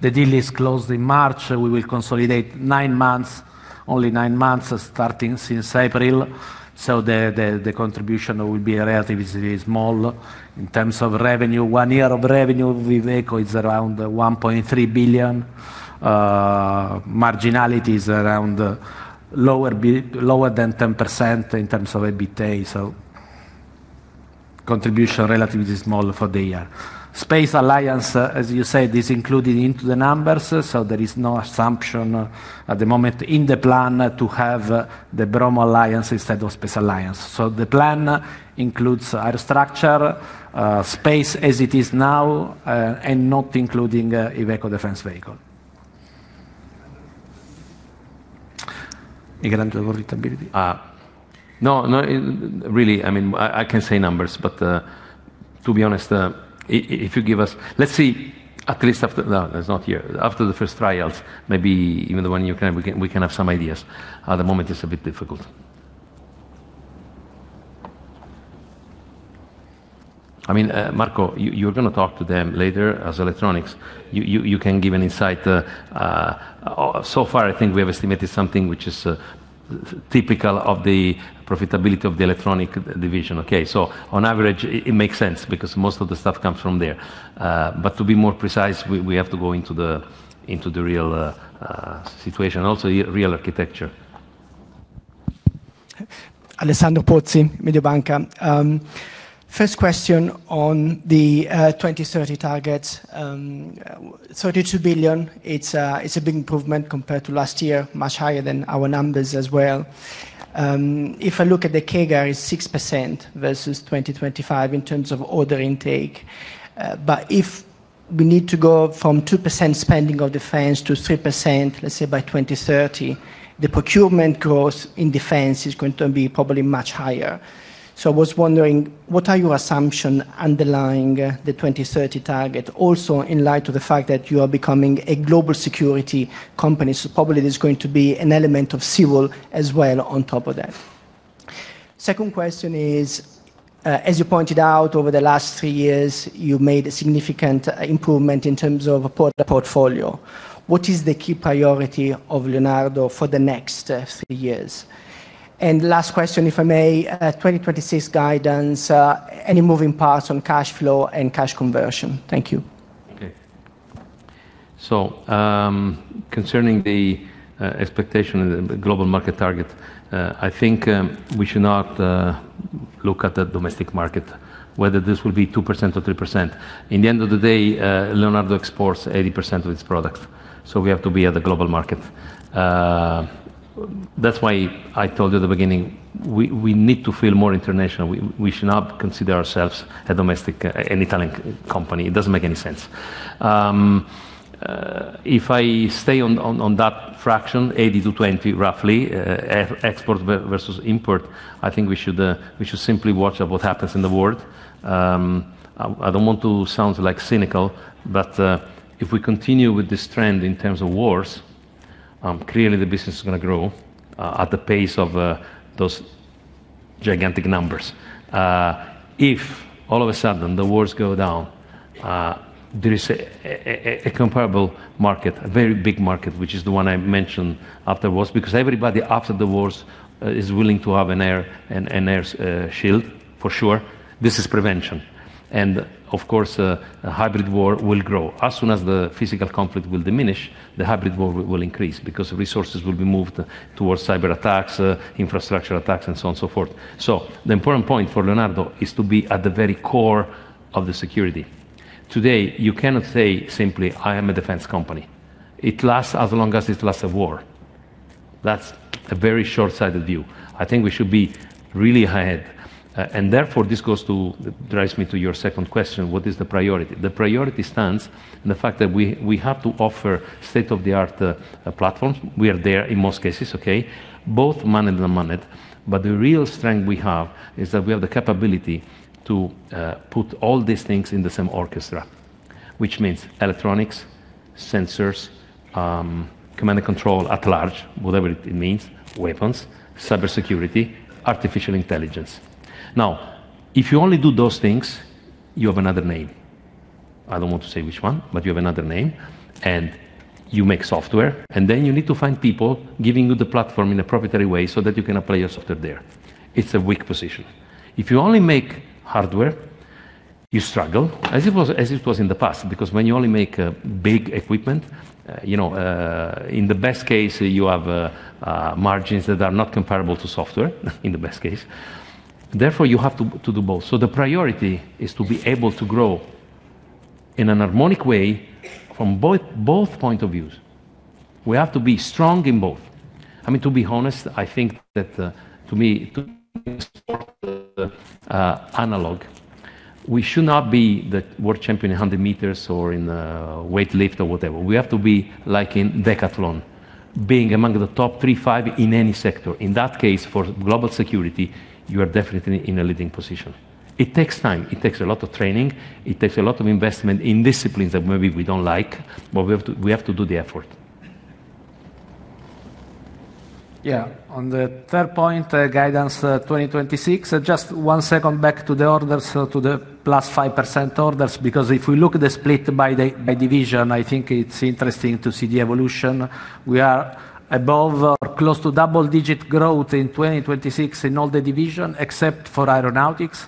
the deal is closed in March, we will consolidate nine months, only nine months, starting since April, so the contribution will be relatively small. In terms of revenue, one year of revenue with Iveco is around 1.3 billion. Marginality is around lower than 10% in terms of EBITA, so Contribution relatively small for the year. Space Alliance, as you said, is included into the numbers, so there is no assumption at the moment in the plan to have the Bromo Alliance instead of Space Alliance. The plan includes Aerostructures, Space as it is now, and not including, Iveco Defense Vehicles. E grande redditabilità? No, it really, I mean, I can say numbers, but to be honest, if you give us... Let's see, at least after, that's not here. After the first trials, maybe even the one you can, we can have some ideas. At the moment it's a bit difficult. I mean, Marco, you're gonna talk to them later as electronics. You can give an insight, so far I think we have estimated something which is typical of the profitability of the electronic division. Okay, so on average, it makes sense because most of the stuff comes from there. But to be more precise, we have to go into the real situation, also real architecture. Alessandro Pozzi, Mediobanca. First question on the 2030 targets. 32 billion, it's a big improvement compared to last year, much higher than our numbers as well. If I look at the CAGR, it's 6% versus 2025 in terms of order intake. But if we need to go from 2% spending of defense to 3%, let's say, by 2030, the procurement growth in defense is going to be probably much higher. I was wondering, what are your assumption underlying the 2030 target, also in light of the fact that you are becoming a global security company. Probably there's going to be an element of civil as well on top of that. Second question is, as you pointed out over the last three years, you made a significant improvement in terms of the portfolio. What is the key priority of Leonardo for the next three years? Last question, if I may, 2026 guidance, any moving parts on cash flow and cash conversion? Thank you. Okay. Concerning the expectation and the global market target, I think we should not look at the domestic market, whether this will be 2% or 3%. In the end of the day, Leonardo exports 80% of its products, so we have to be at the global market. That's why I told you at the beginning, we need to feel more international. We should not consider ourselves a domestic, an Italian company. It doesn't make any sense. If I stay on that fraction, 80-20, roughly, export versus import, I think we should simply watch out what happens in the world. I don't want to sound like cynical, but if we continue with this trend in terms of wars, clearly the business is gonna grow at the pace of those gigantic numbers. If all of a sudden the wars go down, there is a comparable market, a very big market, which is the one I mentioned after wars, because everybody after the wars is willing to have an air shield, for sure. This is prevention. Of course, a hybrid war will grow. As soon as the physical conflict will diminish, the hybrid war will increase because resources will be moved towards cyberattacks, infrastructure attacks, and so on and so forth. The important point for Leonardo is to be at the very core of the security. Today, you cannot say simply, "I am a defense company." It lasts as long as it lasts a war. That's a very short-sighted view. I think we should be really ahead. And therefore, this goes to, drives me to your second question, what is the priority? The priority stands in the fact that we have to offer state-of-the-art platforms. We are there in most cases, okay? Both manned and unmanned. The real strength we have is that we have the capability to put all these things in the same orchestra, which means electronics, sensors, command and control at large, whatever it means, weapons, cybersecurity, artificial intelligence. Now, if you only do those things, you have another name. I don't want to say which one, but you have another name. You make software, and then you need to find people giving you the platform in a proprietary way so that you can apply your software there. It's a weak position. If you only make hardware, you struggle, as it was in the past, because when you only make big equipment, in the best case, you have margins that are not comparable to software, in the best case. Therefore, you have to do both. The priority is to be able to grow in an harmonic way from both points of view. We have to be strong in both. I mean, to be honest, I think that, to me, to analogy, we should not be the world champion in hundred meters or in weight lift or whatever. We have to be like in decathlon, being among the top three, five in any sector. In that case, for global security, you are definitely in a leading position. It takes time. It takes a lot of training. It takes a lot of investment in disciplines that maybe we don't like, but we have to, we have to do the effort. Yeah, on the third point, guidance, 2026, just one second back to the orders, to the +5% orders, because if we look at the split by division, I think it's interesting to see the evolution. We are above or close to double-digit growth in 2026 in all the division, except for aeronautics.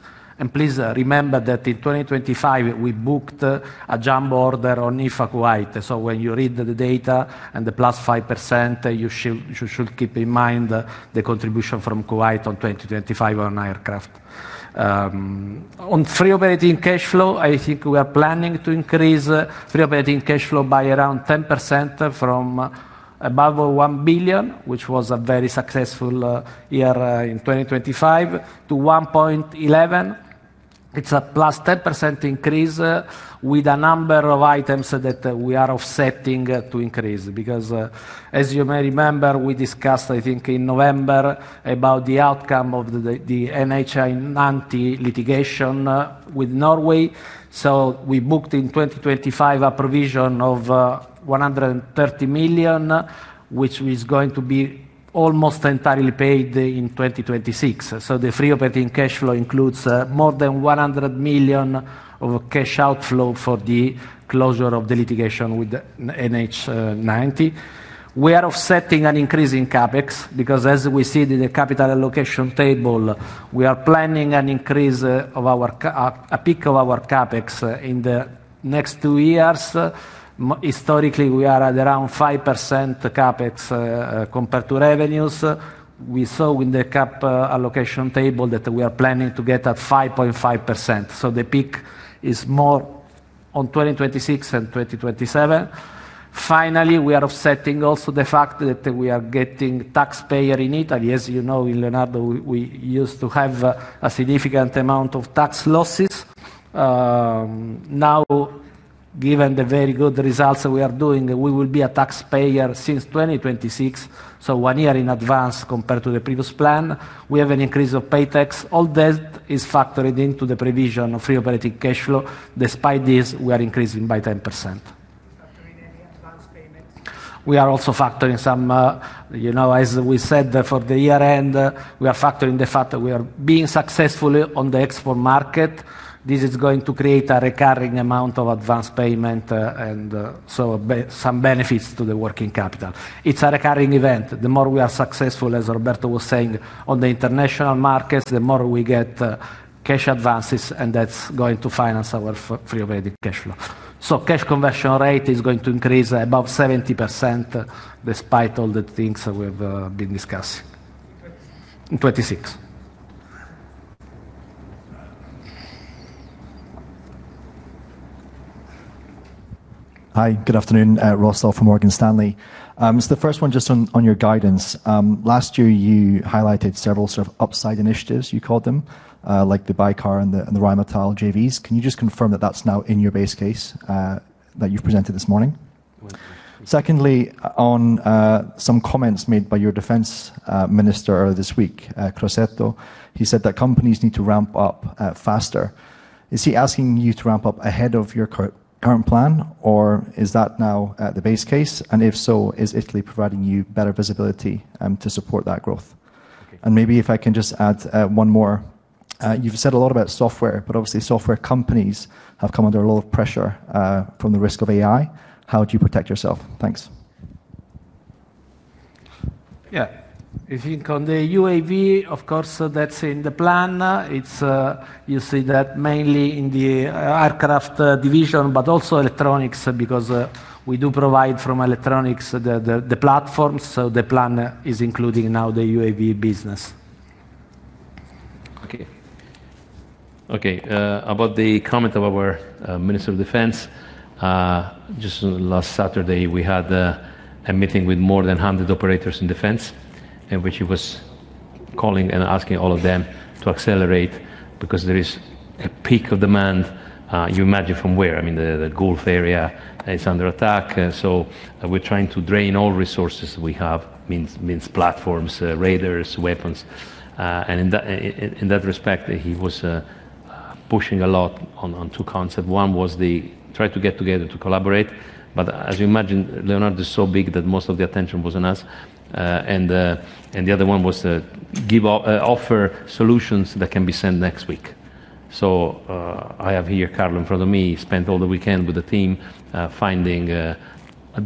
Please, remember that in 2025, we booked a jumbo order on Eurofighter Kuwait. When you read the data and the +5%, you should keep in mind the contribution from Kuwait on 2025 on aircraft. On free operating cash flow, I think we are planning to increase free operating cash flow by around 10% from above 1 billion, which was a very successful year in 2025, to 1.11 billion. It's a plus 10% increase with a number of items that we are offsetting to increase. As you may remember, we discussed, I think in November, about the outcome of the NH90 litigation with Norway. We booked in 2025 a provision of 130 million, which is going to be almost entirely paid in 2026. The free operating cash flow includes more than 100 million of cash outflow for the closure of the litigation with NH90. We are offsetting an increase in CapEx, because as we see in the capital allocation table, we are planning an increase of a peak of our CapEx in the next two years. Historically, we are at around 5% CapEx compared to revenues. We saw in the CapEx allocation table that we are planning to get at 5.5%, so the peak is more on 2026 and 2027. Finally, we are offsetting also the fact that we are becoming a taxpayer in Italy. As you know, in Leonardo, we used to have a significant amount of tax losses. Now, given the very good results we are doing, we will be a taxpayer since 2026, so one year in advance compared to the previous plan. We have an increase in tax payments. All that is factored into the projection of free operating cash flow. Despite this, we are increasing by 10%. Factoring any advance payments? We are also factoring some, you know, as we said for the year-end, we are factoring the fact that we are being successful on the export market. This is going to create a recurring amount of advance payment, and so some benefits to the working capital. It's a recurring event. The more we are successful, as Roberto was saying, on the international markets, the more we get cash advances, and that's going to finance our free operating cash flow. Cash conversion rate is going to increase above 70% despite all the things that we've been discussing. In 2026? In 2026. Hi. Good afternoon. Ross Law from Morgan Stanley. The first one just on your guidance. Last year you highlighted several sort of upside initiatives you called them, like the Baykar and the Rheinmetall JVs. Can you just confirm that that's now in your base case, that you've presented this morning? Was- Secondly, on some comments made by your Defense Minister Crosetto earlier this week, he said that companies need to ramp up faster. Is he asking you to ramp up ahead of your current plan, or is that now the base case? If so, is Italy providing you better visibility to support that growth? Okay. Maybe if I can just add one more. You've said a lot about software, but obviously software companies have come under a lot of pressure from the risk of AI. How do you protect yourself? Thanks. Yeah. I think on the UAV, of course, that's in the plan. It's you see that mainly in the aircraft division, but also electronics because we do provide from electronics the platforms, so the plan is including now the UAV business. Okay. Okay. About the comment of our minister of defense, just last Saturday, we had a meeting with more than 100 operators in defense, in which he was calling and asking all of them to accelerate because there is a peak of demand, you imagine from where. I mean, the Gulf area is under attack, so we're trying to drain all resources we have, means platforms, radars, weapons. In that respect, he was pushing a lot on two concept. One was the try to get together to collaborate, but as you imagine, Leonardo is so big that most of the attention was on us. The other one was to offer solutions that can be sent next week. I have here Carlo in front of me, spent all the weekend with the team, finding a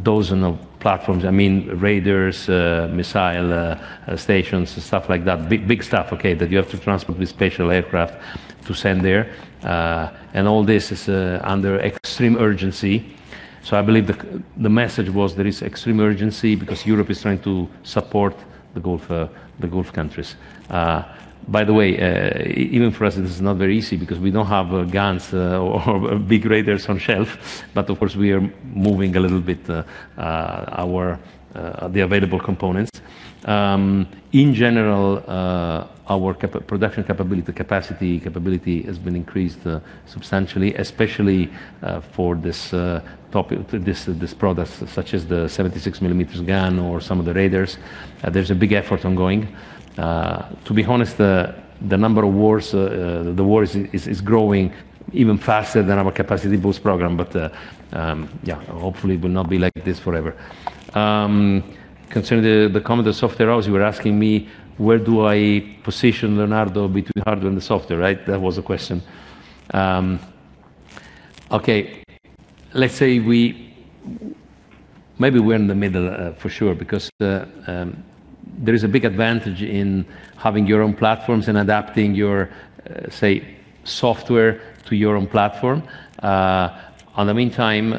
dozen of platforms, I mean, radars, missile stations and stuff like that. Big stuff, okay, that you have to transport with special aircraft to send there. All this is under extreme urgency. I believe the message was there is extreme urgency because Europe is trying to support the Gulf, the Gulf countries. By the way, even for us, this is not very easy because we don't have guns or big radars off the shelf. Of course, we are moving a little bit of the available components. In general, our production capability has been increased substantially, especially for this topic, these products such as the 76-millimeter gun or some of the radars. There's a big effort ongoing. To be honest, the number of wars is growing even faster than our capacity boost program. Hopefully it will not be like this forever. Concerning the comment of software house, you were asking me where do I position Leonardo between the hardware and the software, right? That was the question. Okay. Let's say maybe we're in the middle, for sure, because there is a big advantage in having your own platforms and adapting your, say, software to your own platform. In the meantime,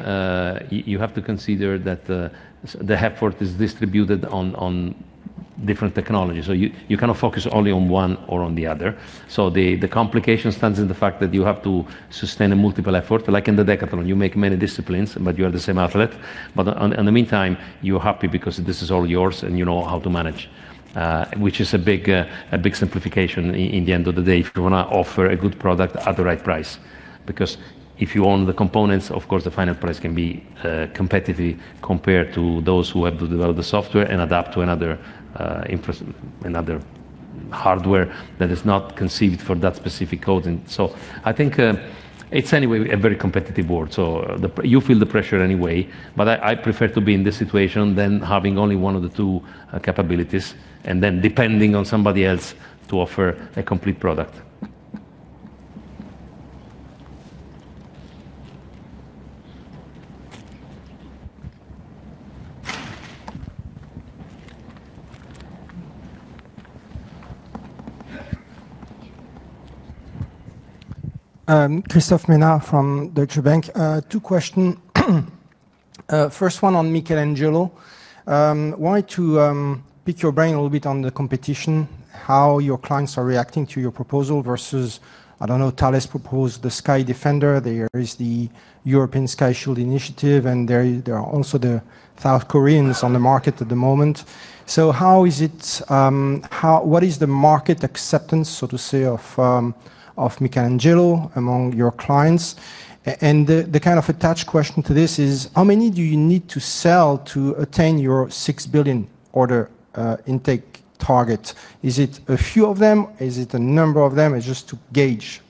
you have to consider that the effort is distributed on. Different technologies. You cannot focus only on one or on the other. The complication stands in the fact that you have to sustain a multiple effort, like in the decathlon, you make many disciplines, but you are the same athlete. In the meantime, you're happy because this is all yours and you know how to manage. Which is a big simplification at the end of the day if you wanna offer a good product at the right price. Because if you own the components, of course the final price can be competitive compared to those who have to develop the software and adapt to another hardware that is not conceived for that specific coding. I think it's anyway a very competitive world, you feel the pressure anyway. I prefer to be in this situation than having only one of the two capabilities and then depending on somebody else to offer a complete product. Christophe Menard from Deutsche Bank. Two questions. First one on Michelangelo. Wanted to pick your brain a little bit on the competition, how your clients are reacting to your proposal versus, I don't know, Thales proposed the SkyDefender, there is the European Sky Shield Initiative, and there are also the South Koreans on the market at the moment. How is it, what is the market acceptance, so to say, of Michelangelo among your clients? And the kind of attached question to this is, how many do you need to sell to attain your 6 billion order intake target? Is it a few of them? Is it a number of them? It's just to gauge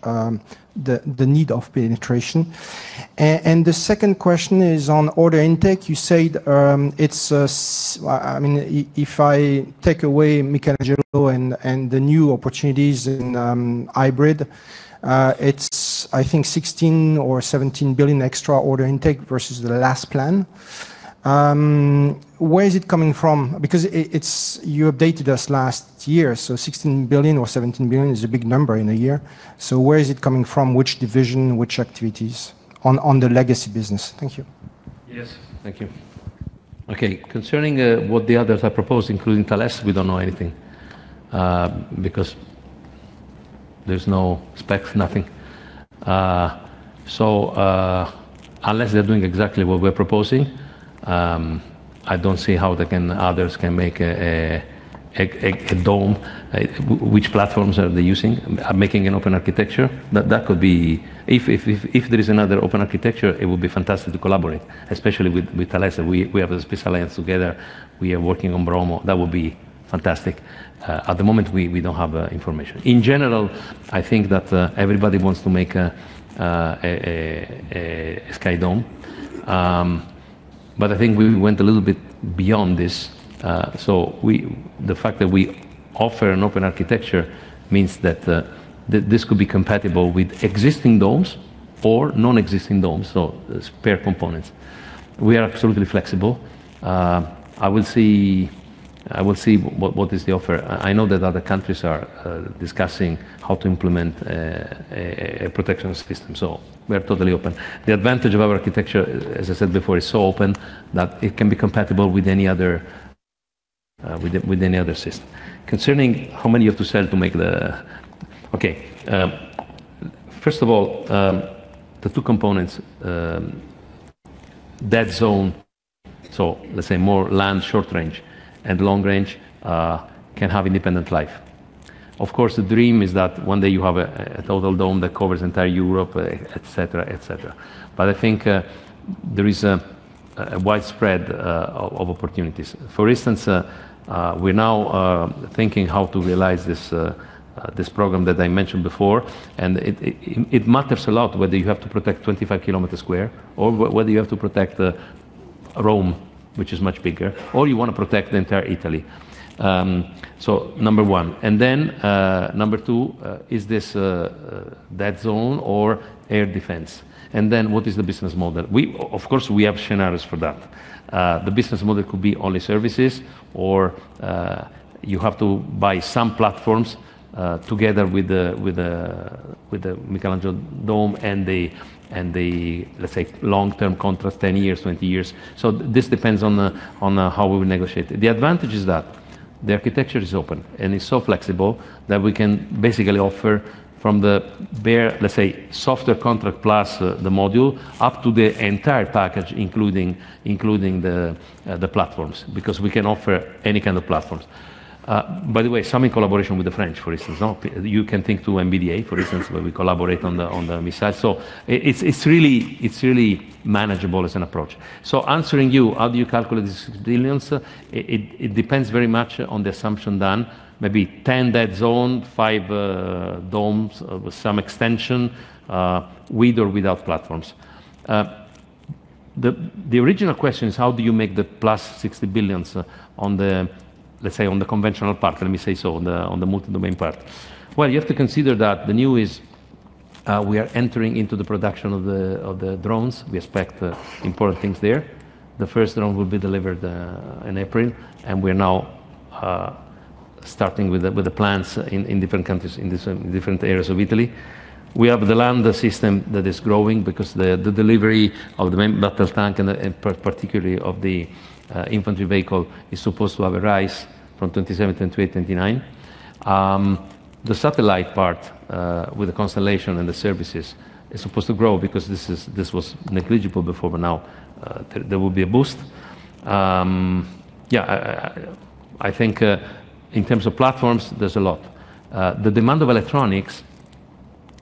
the need of penetration. The second question is on order intake. You said, I mean, if I take away Michelangelo and the new opportunities in hybrid, it's, I think, 16 billion or 17 billion extra order intake versus the last plan. Where is it coming from? Because it's, you updated us last year, so 16 billion or 17 billion is a big number in a year. Where is it coming from? Which division? Which activities on the legacy business? Thank you. Yes. Thank you. Okay. Concerning what the others have proposed, including Thales, we don't know anything because there's no specs, nothing. Unless they're doing exactly what we're proposing, I don't see how others can make a dome. Which platforms are they using? Making an open architecture. That could be. If there is another open architecture, it would be fantastic to collaborate, especially with Thales. We have a Space Alliance together. We are working on Bromo. That would be fantastic. At the moment, we don't have information. In general, I think that everybody wants to make a sky dome. I think we went a little bit beyond this. The fact that we offer an open architecture means that this could be compatible with existing domes or non-existing domes, so spare components. We are absolutely flexible. I will see what is the offer. I know that other countries are discussing how to implement a protection system, so we are totally open. The advantage of our architecture, as I said before, it's so open that it can be compatible with any other system. Concerning how many you have to sell to make the. Okay. First of all, the two components, dead zone, so let's say more land, short range and long range, can have independent life. Of course, the dream is that one day you have a total dome that covers entire Europe, etc, etc. I think there is a widespread of opportunities. For instance, we're now thinking how to realize this program that I mentioned before. It matters a lot whether you have to protect 25 square kilometers or whether you have to protect Rome, which is much bigger, or you wanna protect the entire Italy. Number one. Number two is this dead zone or air defense. What is the business model? We, of course, we have scenarios for that. The business model could be only services or, you have to buy some platforms, together with the Michelangelo dome and the, let's say, long-term contract, 10 years, 20 years. This depends on how we will negotiate. The advantage is that the architecture is open, and it's so flexible that we can basically offer from the bare, let's say, software contract plus the module, up to the entire package, including the platforms, because we can offer any kind of platforms. By the way, some in collaboration with the French, for instance. You can think to MBDA, for instance, where we collaborate on the missiles. It's really manageable as an approach. Answering you, how do you calculate these billions? It depends very much on the assumption done. Maybe 10 dead zone, five domes with some extension, with or without platforms. The original question is, how do you make the +60 billion on the, let's say, on the conventional part? Let me say so, on the multi-domain part. Well, you have to consider that the new is, we are entering into the production of the drones. We expect important things there. The first drone will be delivered in April, and we are now starting with the plants in different areas of Italy. We have the land system that is growing because the delivery of the main battle tank and particularly of the infantry vehicle is supposed to have a rise from 27-28, 29. The satellite part with the constellation and the services is supposed to grow because this was negligible before, but now there will be a boost. I think in terms of platforms, there's a lot. The demand of electronics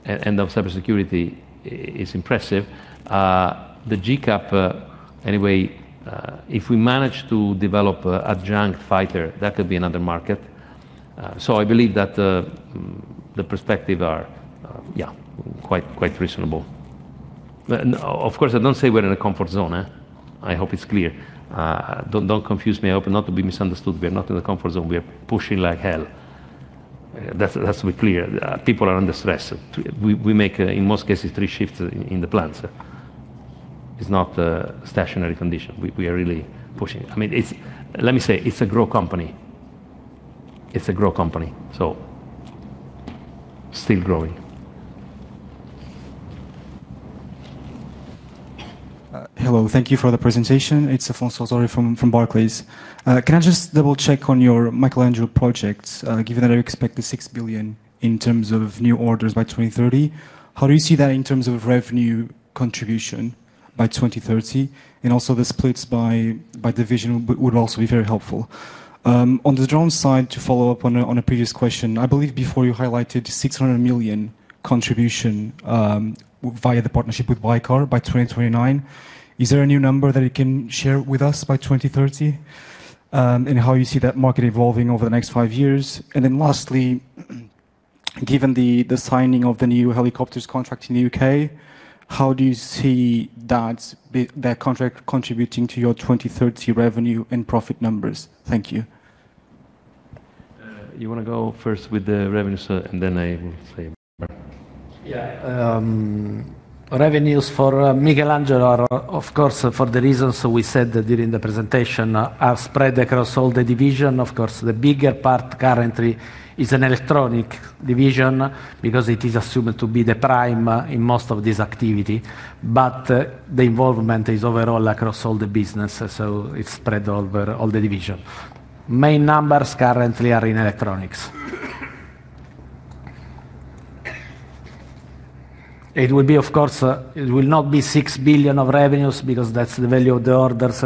and of cybersecurity is impressive. The GCAP, anyway, if we manage to develop a adjunct fighter, that could be another market. I believe that the perspective are quite reasonable. No, of course, I don't say we're in a comfort zone. I hope it's clear. Don't confuse me. I hope not to be misunderstood. We are not in a comfort zone. We are pushing like hell. That's to be clear. People are under stress. We make, in most cases, three shifts in the plants. It's not a stationary condition. We are really pushing. I mean, it's a growth company. It's a growth company, so still growing. Hello. Thank you for the presentation. It's Alfonso Zorzi from Barclays. Can I just double-check on your Michelangelo projects, given that you expect 6 billion in terms of new orders by 2030? How do you see that in terms of revenue contribution by 2030? The splits by division would also be very helpful. On the drone side, to follow up on a previous question, I believe before you highlighted 600 million contribution via the partnership with Baykar by 2029. Is there a new number that you can share with us by 2030, and how you see that market evolving over the next five years? Lastly, given the signing of the new helicopters contract in the U.K., how do you see that contract contributing to your 2030 revenue and profit numbers? Thank you. You wanna go first with the revenues, and then I will say more. Yeah. Revenues for Michelangelo are, of course, for the reasons we said during the presentation, spread across all the division. Of course, the bigger part currently is an Electronics division because it is assumed to be the prime in most of this activity. The involvement is overall across all the business, so it's spread over all the division. Main numbers currently are in Electronics. It would be, of course, it will not be 6 billion of revenues because that's the value of the orders.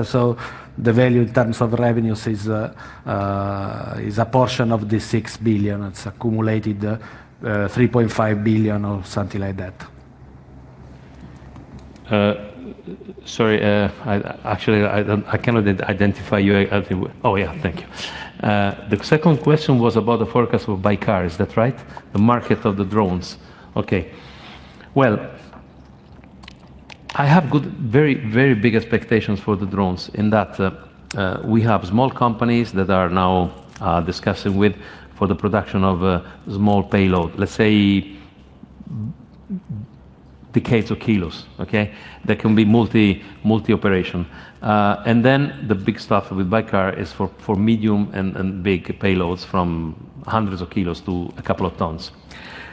The value in terms of revenues is a portion of the 6 billion. It's accumulated 3.5 billion or something like that. Sorry, actually, I cannot identify you. I think we... Thank you. The second question was about the forecast for Baykar. Is that right? The market of the drones. Okay. Well, I have good, very big expectations for the drones in that, we have small companies that are now discussing with for the production of small payload, let's say, decades of kilos, okay? That can be multi-operation. And then the big stuff with Baykar is for medium and big payloads from hundreds of kilos to a couple of tons.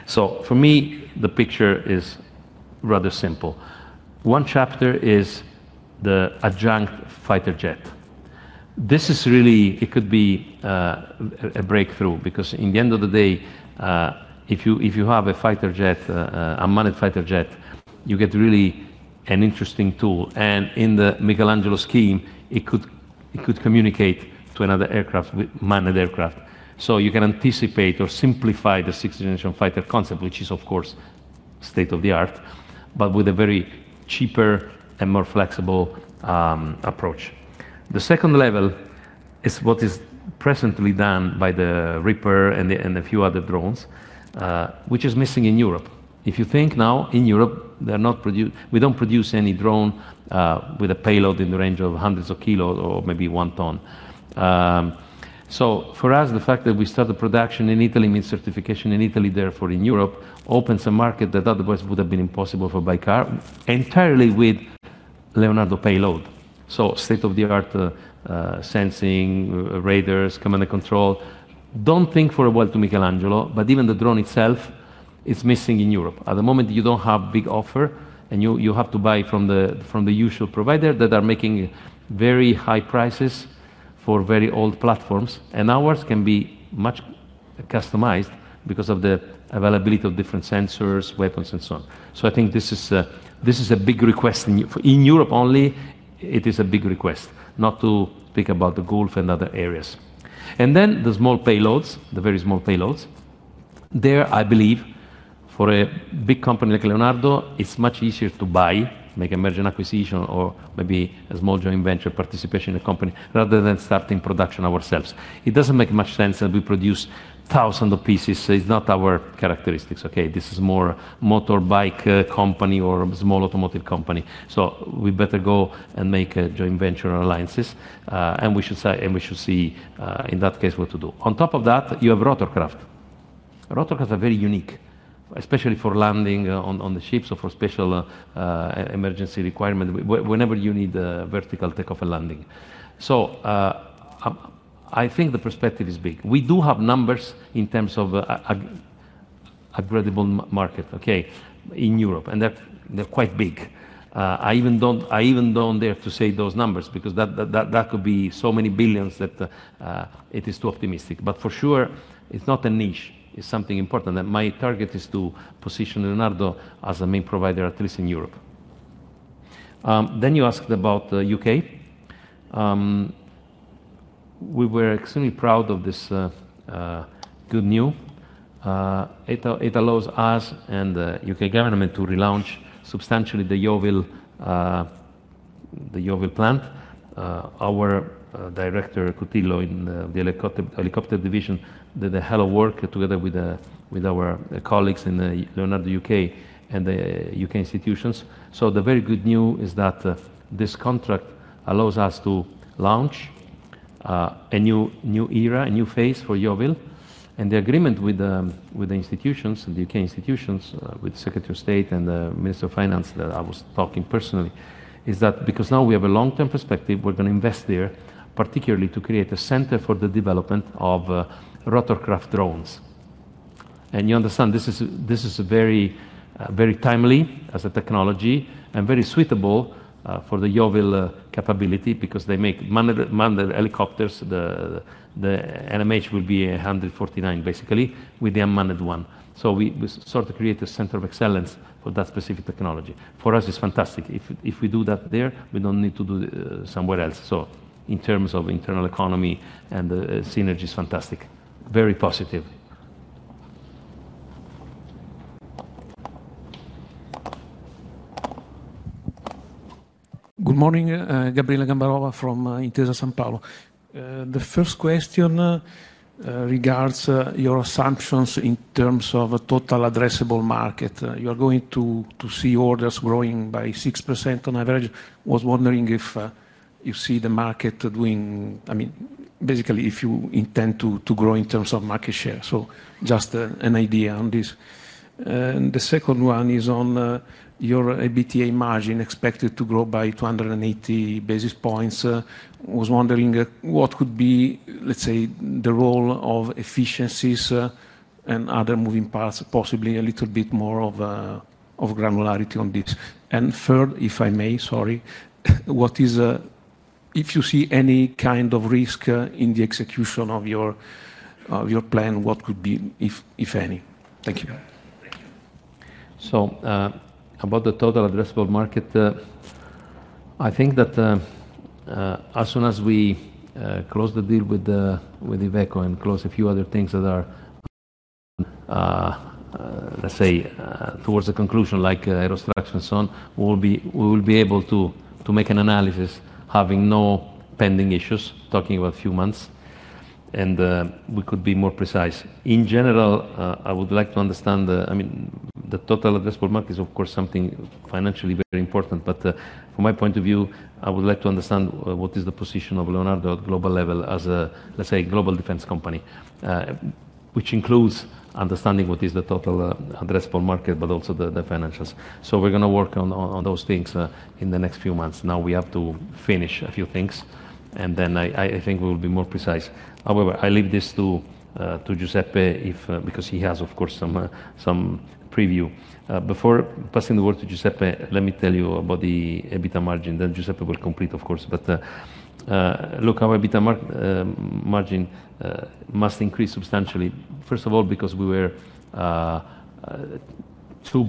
For me, the picture is rather simple. One chapter is the adjunct fighter jet. This is really a breakthrough because in the end of the day, if you have a fighter jet, a manned fighter jet, you get really an interesting tool. In the Michelangelo scheme, it could communicate to another aircraft with manned aircraft. You can anticipate or simplify the sixth-generation fighter concept, which is, of course, state-of-the-art, but with a very cheaper and more flexible approach. The second level is what is presently done by the Reaper and the few other drones, which is missing in Europe. If you think now, in Europe, we don't produce any drone with a payload in the range of hundreds of kilos or maybe one ton. For us, the fact that we start the production in Italy means certification in Italy, therefore in Europe, opens a market that otherwise would have been impossible for Baykar, entirely with Leonardo payload. State-of-the-art sensing, radars, command and control. Don't think for a while to Michelangelo, but even the drone itself is missing in Europe. At the moment, you don't have big offer, and you have to buy from the usual provider that are making very high prices for very old platforms. Ours can be much customized because of the availability of different sensors, weapons, and so on. I think this is a big request in Europe only, it is a big request, not to speak about the Gulf and other areas. Then the small payloads, the very small payloads, there, I believe, for a big company like Leonardo, it's much easier to buy, make a merger and acquisition, or maybe a small joint venture participation in a company, rather than starting production ourselves. It doesn't make much sense, and we produce thousands of pieces, so it's not our characteristics, okay? This is more motorbike company or small automotive company. We better go and make joint venture alliances, and we should see in that case what to do. On top of that, you have rotorcraft. Rotorcraft are very unique, especially for landing on the ships or for special emergency requirement, whenever you need vertical takeoff and landing. I think the perspective is big. We do have numbers in terms of a credible market, okay, in Europe, and they're quite big. I even don't dare to say those numbers because that could be so many billions that it is too optimistic. For sure, it's not a niche, it's something important, and my target is to position Leonardo as a main provider, at least in Europe. You asked about the U.K. We were extremely proud of this good news. It allows us and the U.K. government to relaunch substantially the Yeovil plant. Our director, Cutillo, in the helicopter division, did a hell of work together with our colleagues in Leonardo UK and the U.K. institutions. The very good news is that this contract allows us to launch a new era, a new phase for Yeovil, and the agreement with the institutions, the U.K. institutions, with Secretary of State and the Minister of Finance that I was talking personally, is that because now we have a long-term perspective, we're gonna invest there, particularly to create a center for the development of rotorcraft drones. You understand this is very timely as a technology and very suitable for the Yeovil capability because they make manned helicopters. The NMH will be 149 basically with the unmanned one. We sort of create a center of excellence for that specific technology. For us, it's fantastic. If we do that there, we don't need to do it somewhere else. In terms of internal economy and synergy, it's fantastic. Very positive. Good morning. Gabriele Gambarova from Intesa Sanpaolo. The first question regards your assumptions in terms of a total addressable market. You're going to see orders growing by 6% on average. Was wondering if you see the market doing, I mean, basically if you intend to grow in terms of market share. Just an idea on this. The second one is on your EBITA margin expected to grow by 280 basis points. Was wondering what could be, let's say, the role of efficiencies and other moving parts, possibly a little bit more of granularity on this. Third, if I may, sorry, what is If you see any kind of risk in the execution of your plan, what could be, if any? Thank you. Thank you. About the total addressable market, I think that as soon as we close the deal with Iveco and close a few other things that are, let's say, towards the conclusion like Aerostructure and so on, we will be able to make an analysis having no pending issues, talking about a few months, and we could be more precise. In general, I would like to understand the, I mean, the total addressable market is of course something financially very important, but from my point of view, I would like to understand what is the position of Leonardo at global level as a, let's say, global defense company, which includes understanding what is the total addressable market, but also the financials. We're gonna work on those things in the next few months. Now we have to finish a few things, and then I think we'll be more precise. However, I leave this to Giuseppe because he has, of course, some preview. Before passing the word to Giuseppe, let me tell you about the EBITA margin, then Giuseppe will complete, of course. Look, our EBITA margin must increase substantially, first of all, because we were well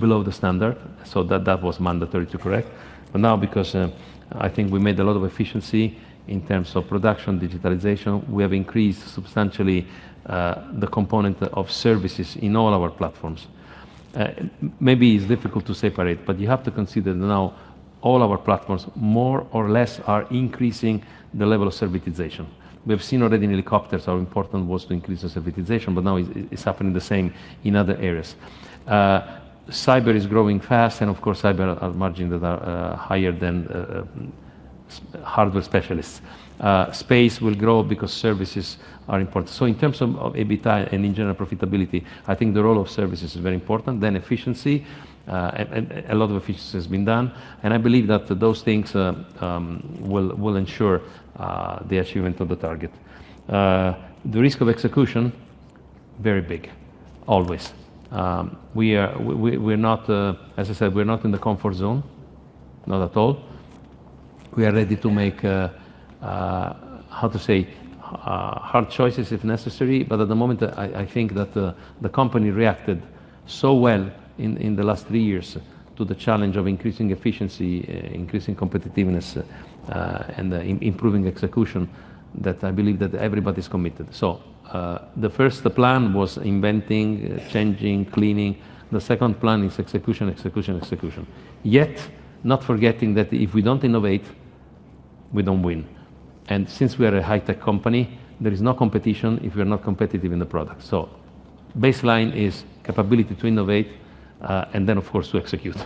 below the standard, so that was mandatory to correct. Now because I think we made a lot of efficiency in terms of production, digitalization, we have increased substantially the component of services in all our platforms. Maybe it's difficult to separate, but you have to consider now all our platforms more or less are increasing the level of servitization. We've seen already in helicopters how important was to increase the servitization, but now it's happening the same in other areas. Cyber is growing fast, and of course, cyber margins that are higher than hardware specialists. Space will grow because services are important. In terms of EBITDA and in general profitability, I think the role of services is very important. Efficiency, a lot of efficiency has been done, and I believe that those things will ensure the achievement of the target. The risk of execution, very big, always. We're not, as I said, in the comfort zone, not at all. We are ready to make how to say hard choices if necessary, but at the moment, I think that the company reacted so well in the last three years to the challenge of increasing efficiency, increasing competitiveness, and improving execution, that I believe that everybody's committed. The first plan was inventing, changing, cleaning. The second plan is execution. Yet, not forgetting that if we don't innovate, we don't win. Since we are a high-tech company, there is no competition if we are not competitive in the product. Baseline is capability to innovate, and then of course to execute.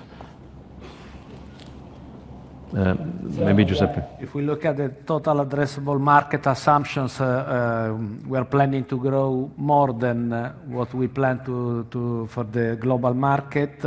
Maybe Giuseppe. If we look at the total addressable market assumptions, we're planning to grow more than what we plan to for the global market,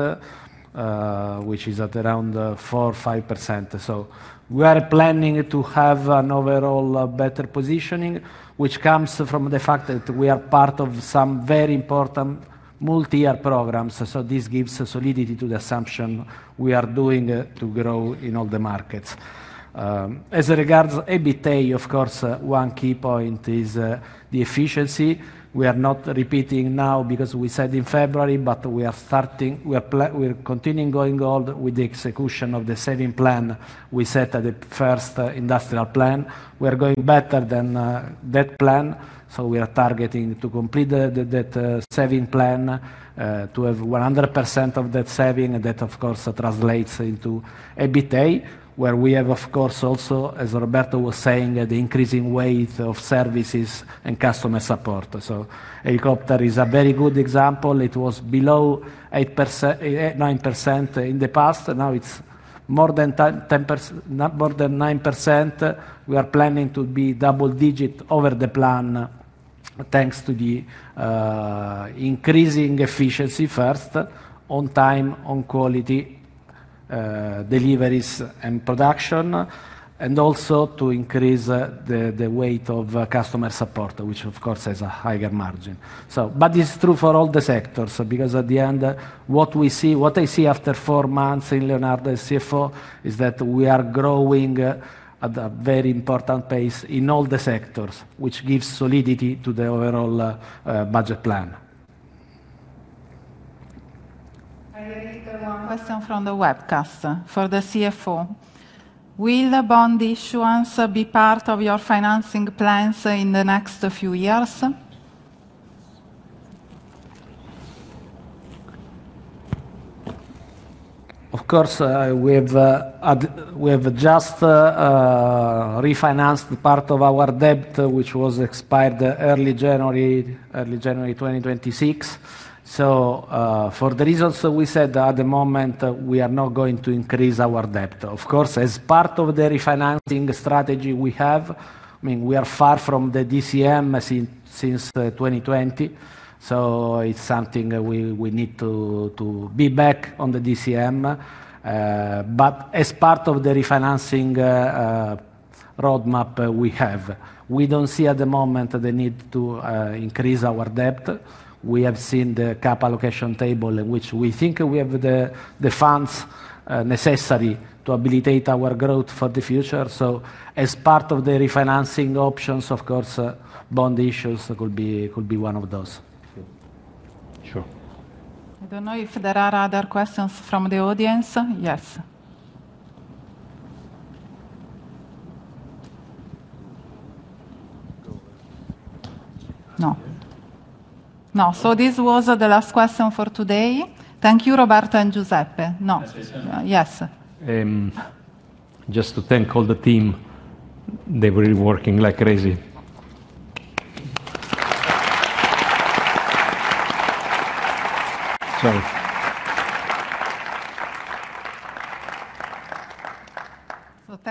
which is at around 4-5%. We are planning to have an overall better positioning, which comes from the fact that we are part of some very important multi-year programs. This gives solidity to the assumption we are doing to grow in all the markets. As regards EBITDA, of course, one key point is the efficiency. We are not repeating now because we said in February, but we are continuing going on with the execution of the saving plan we set at the first industrial plan. We are going better than that plan, so we are targeting to complete the saving plan to have 100% of that saving. That of course translates into EBITDA, where we have, of course, also, as Roberto was saying, the increasing weight of services and customer support. Helicopter is a very good example. It was below 9% in the past, and now it's more than 10, more than 9%. We are planning to be double digit over the plan thanks to the increasing efficiency first, on time, on quality deliveries and production, and also to increase the weight of customer support, which of course has a higher margin. It's true for all the sectors, because at the end, what we see, what I see after four months in Leonardo as CFO, is that we are growing at a very important pace in all the sectors, which gives solidity to the overall budget plan. I read one question from the webcast for the CFO. Will the bond issuance be part of your financing plans in the next few years? Of course. We've just refinanced part of our debt, which was expired early January 2026. For the reasons we said, at the moment we are not going to increase our debt. Of course, as part of the refinancing strategy we have, I mean, we are far from the DCM since 2020, so it's something we need to be back on the DCM. As part of the refinancing roadmap we have, we don't see at the moment the need to increase our debt. We have seen the CapEx allocation table, which we think we have the funds necessary to habilitate our growth for the future. As part of the refinancing options, of course, bond issues could be one of those. Sure. I don't know if there are other questions from the audience. Yes. No. No. This was the last question for today. Thank you, Roberto and Giuseppe. No. Can I say something? Yes. Just to thank all the team. They were working like crazy. Sorry.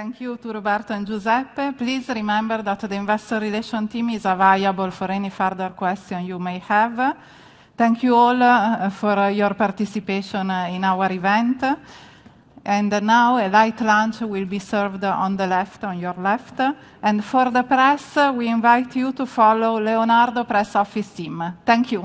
Thank you to Roberto and Giuseppe. Please remember that the investor relation team is available for any further question you may have. Thank you all for your participation in our event. Now, a light lunch will be served on the left, on your left. For the press, we invite you to follow Leonardo Press Office team. Thank you.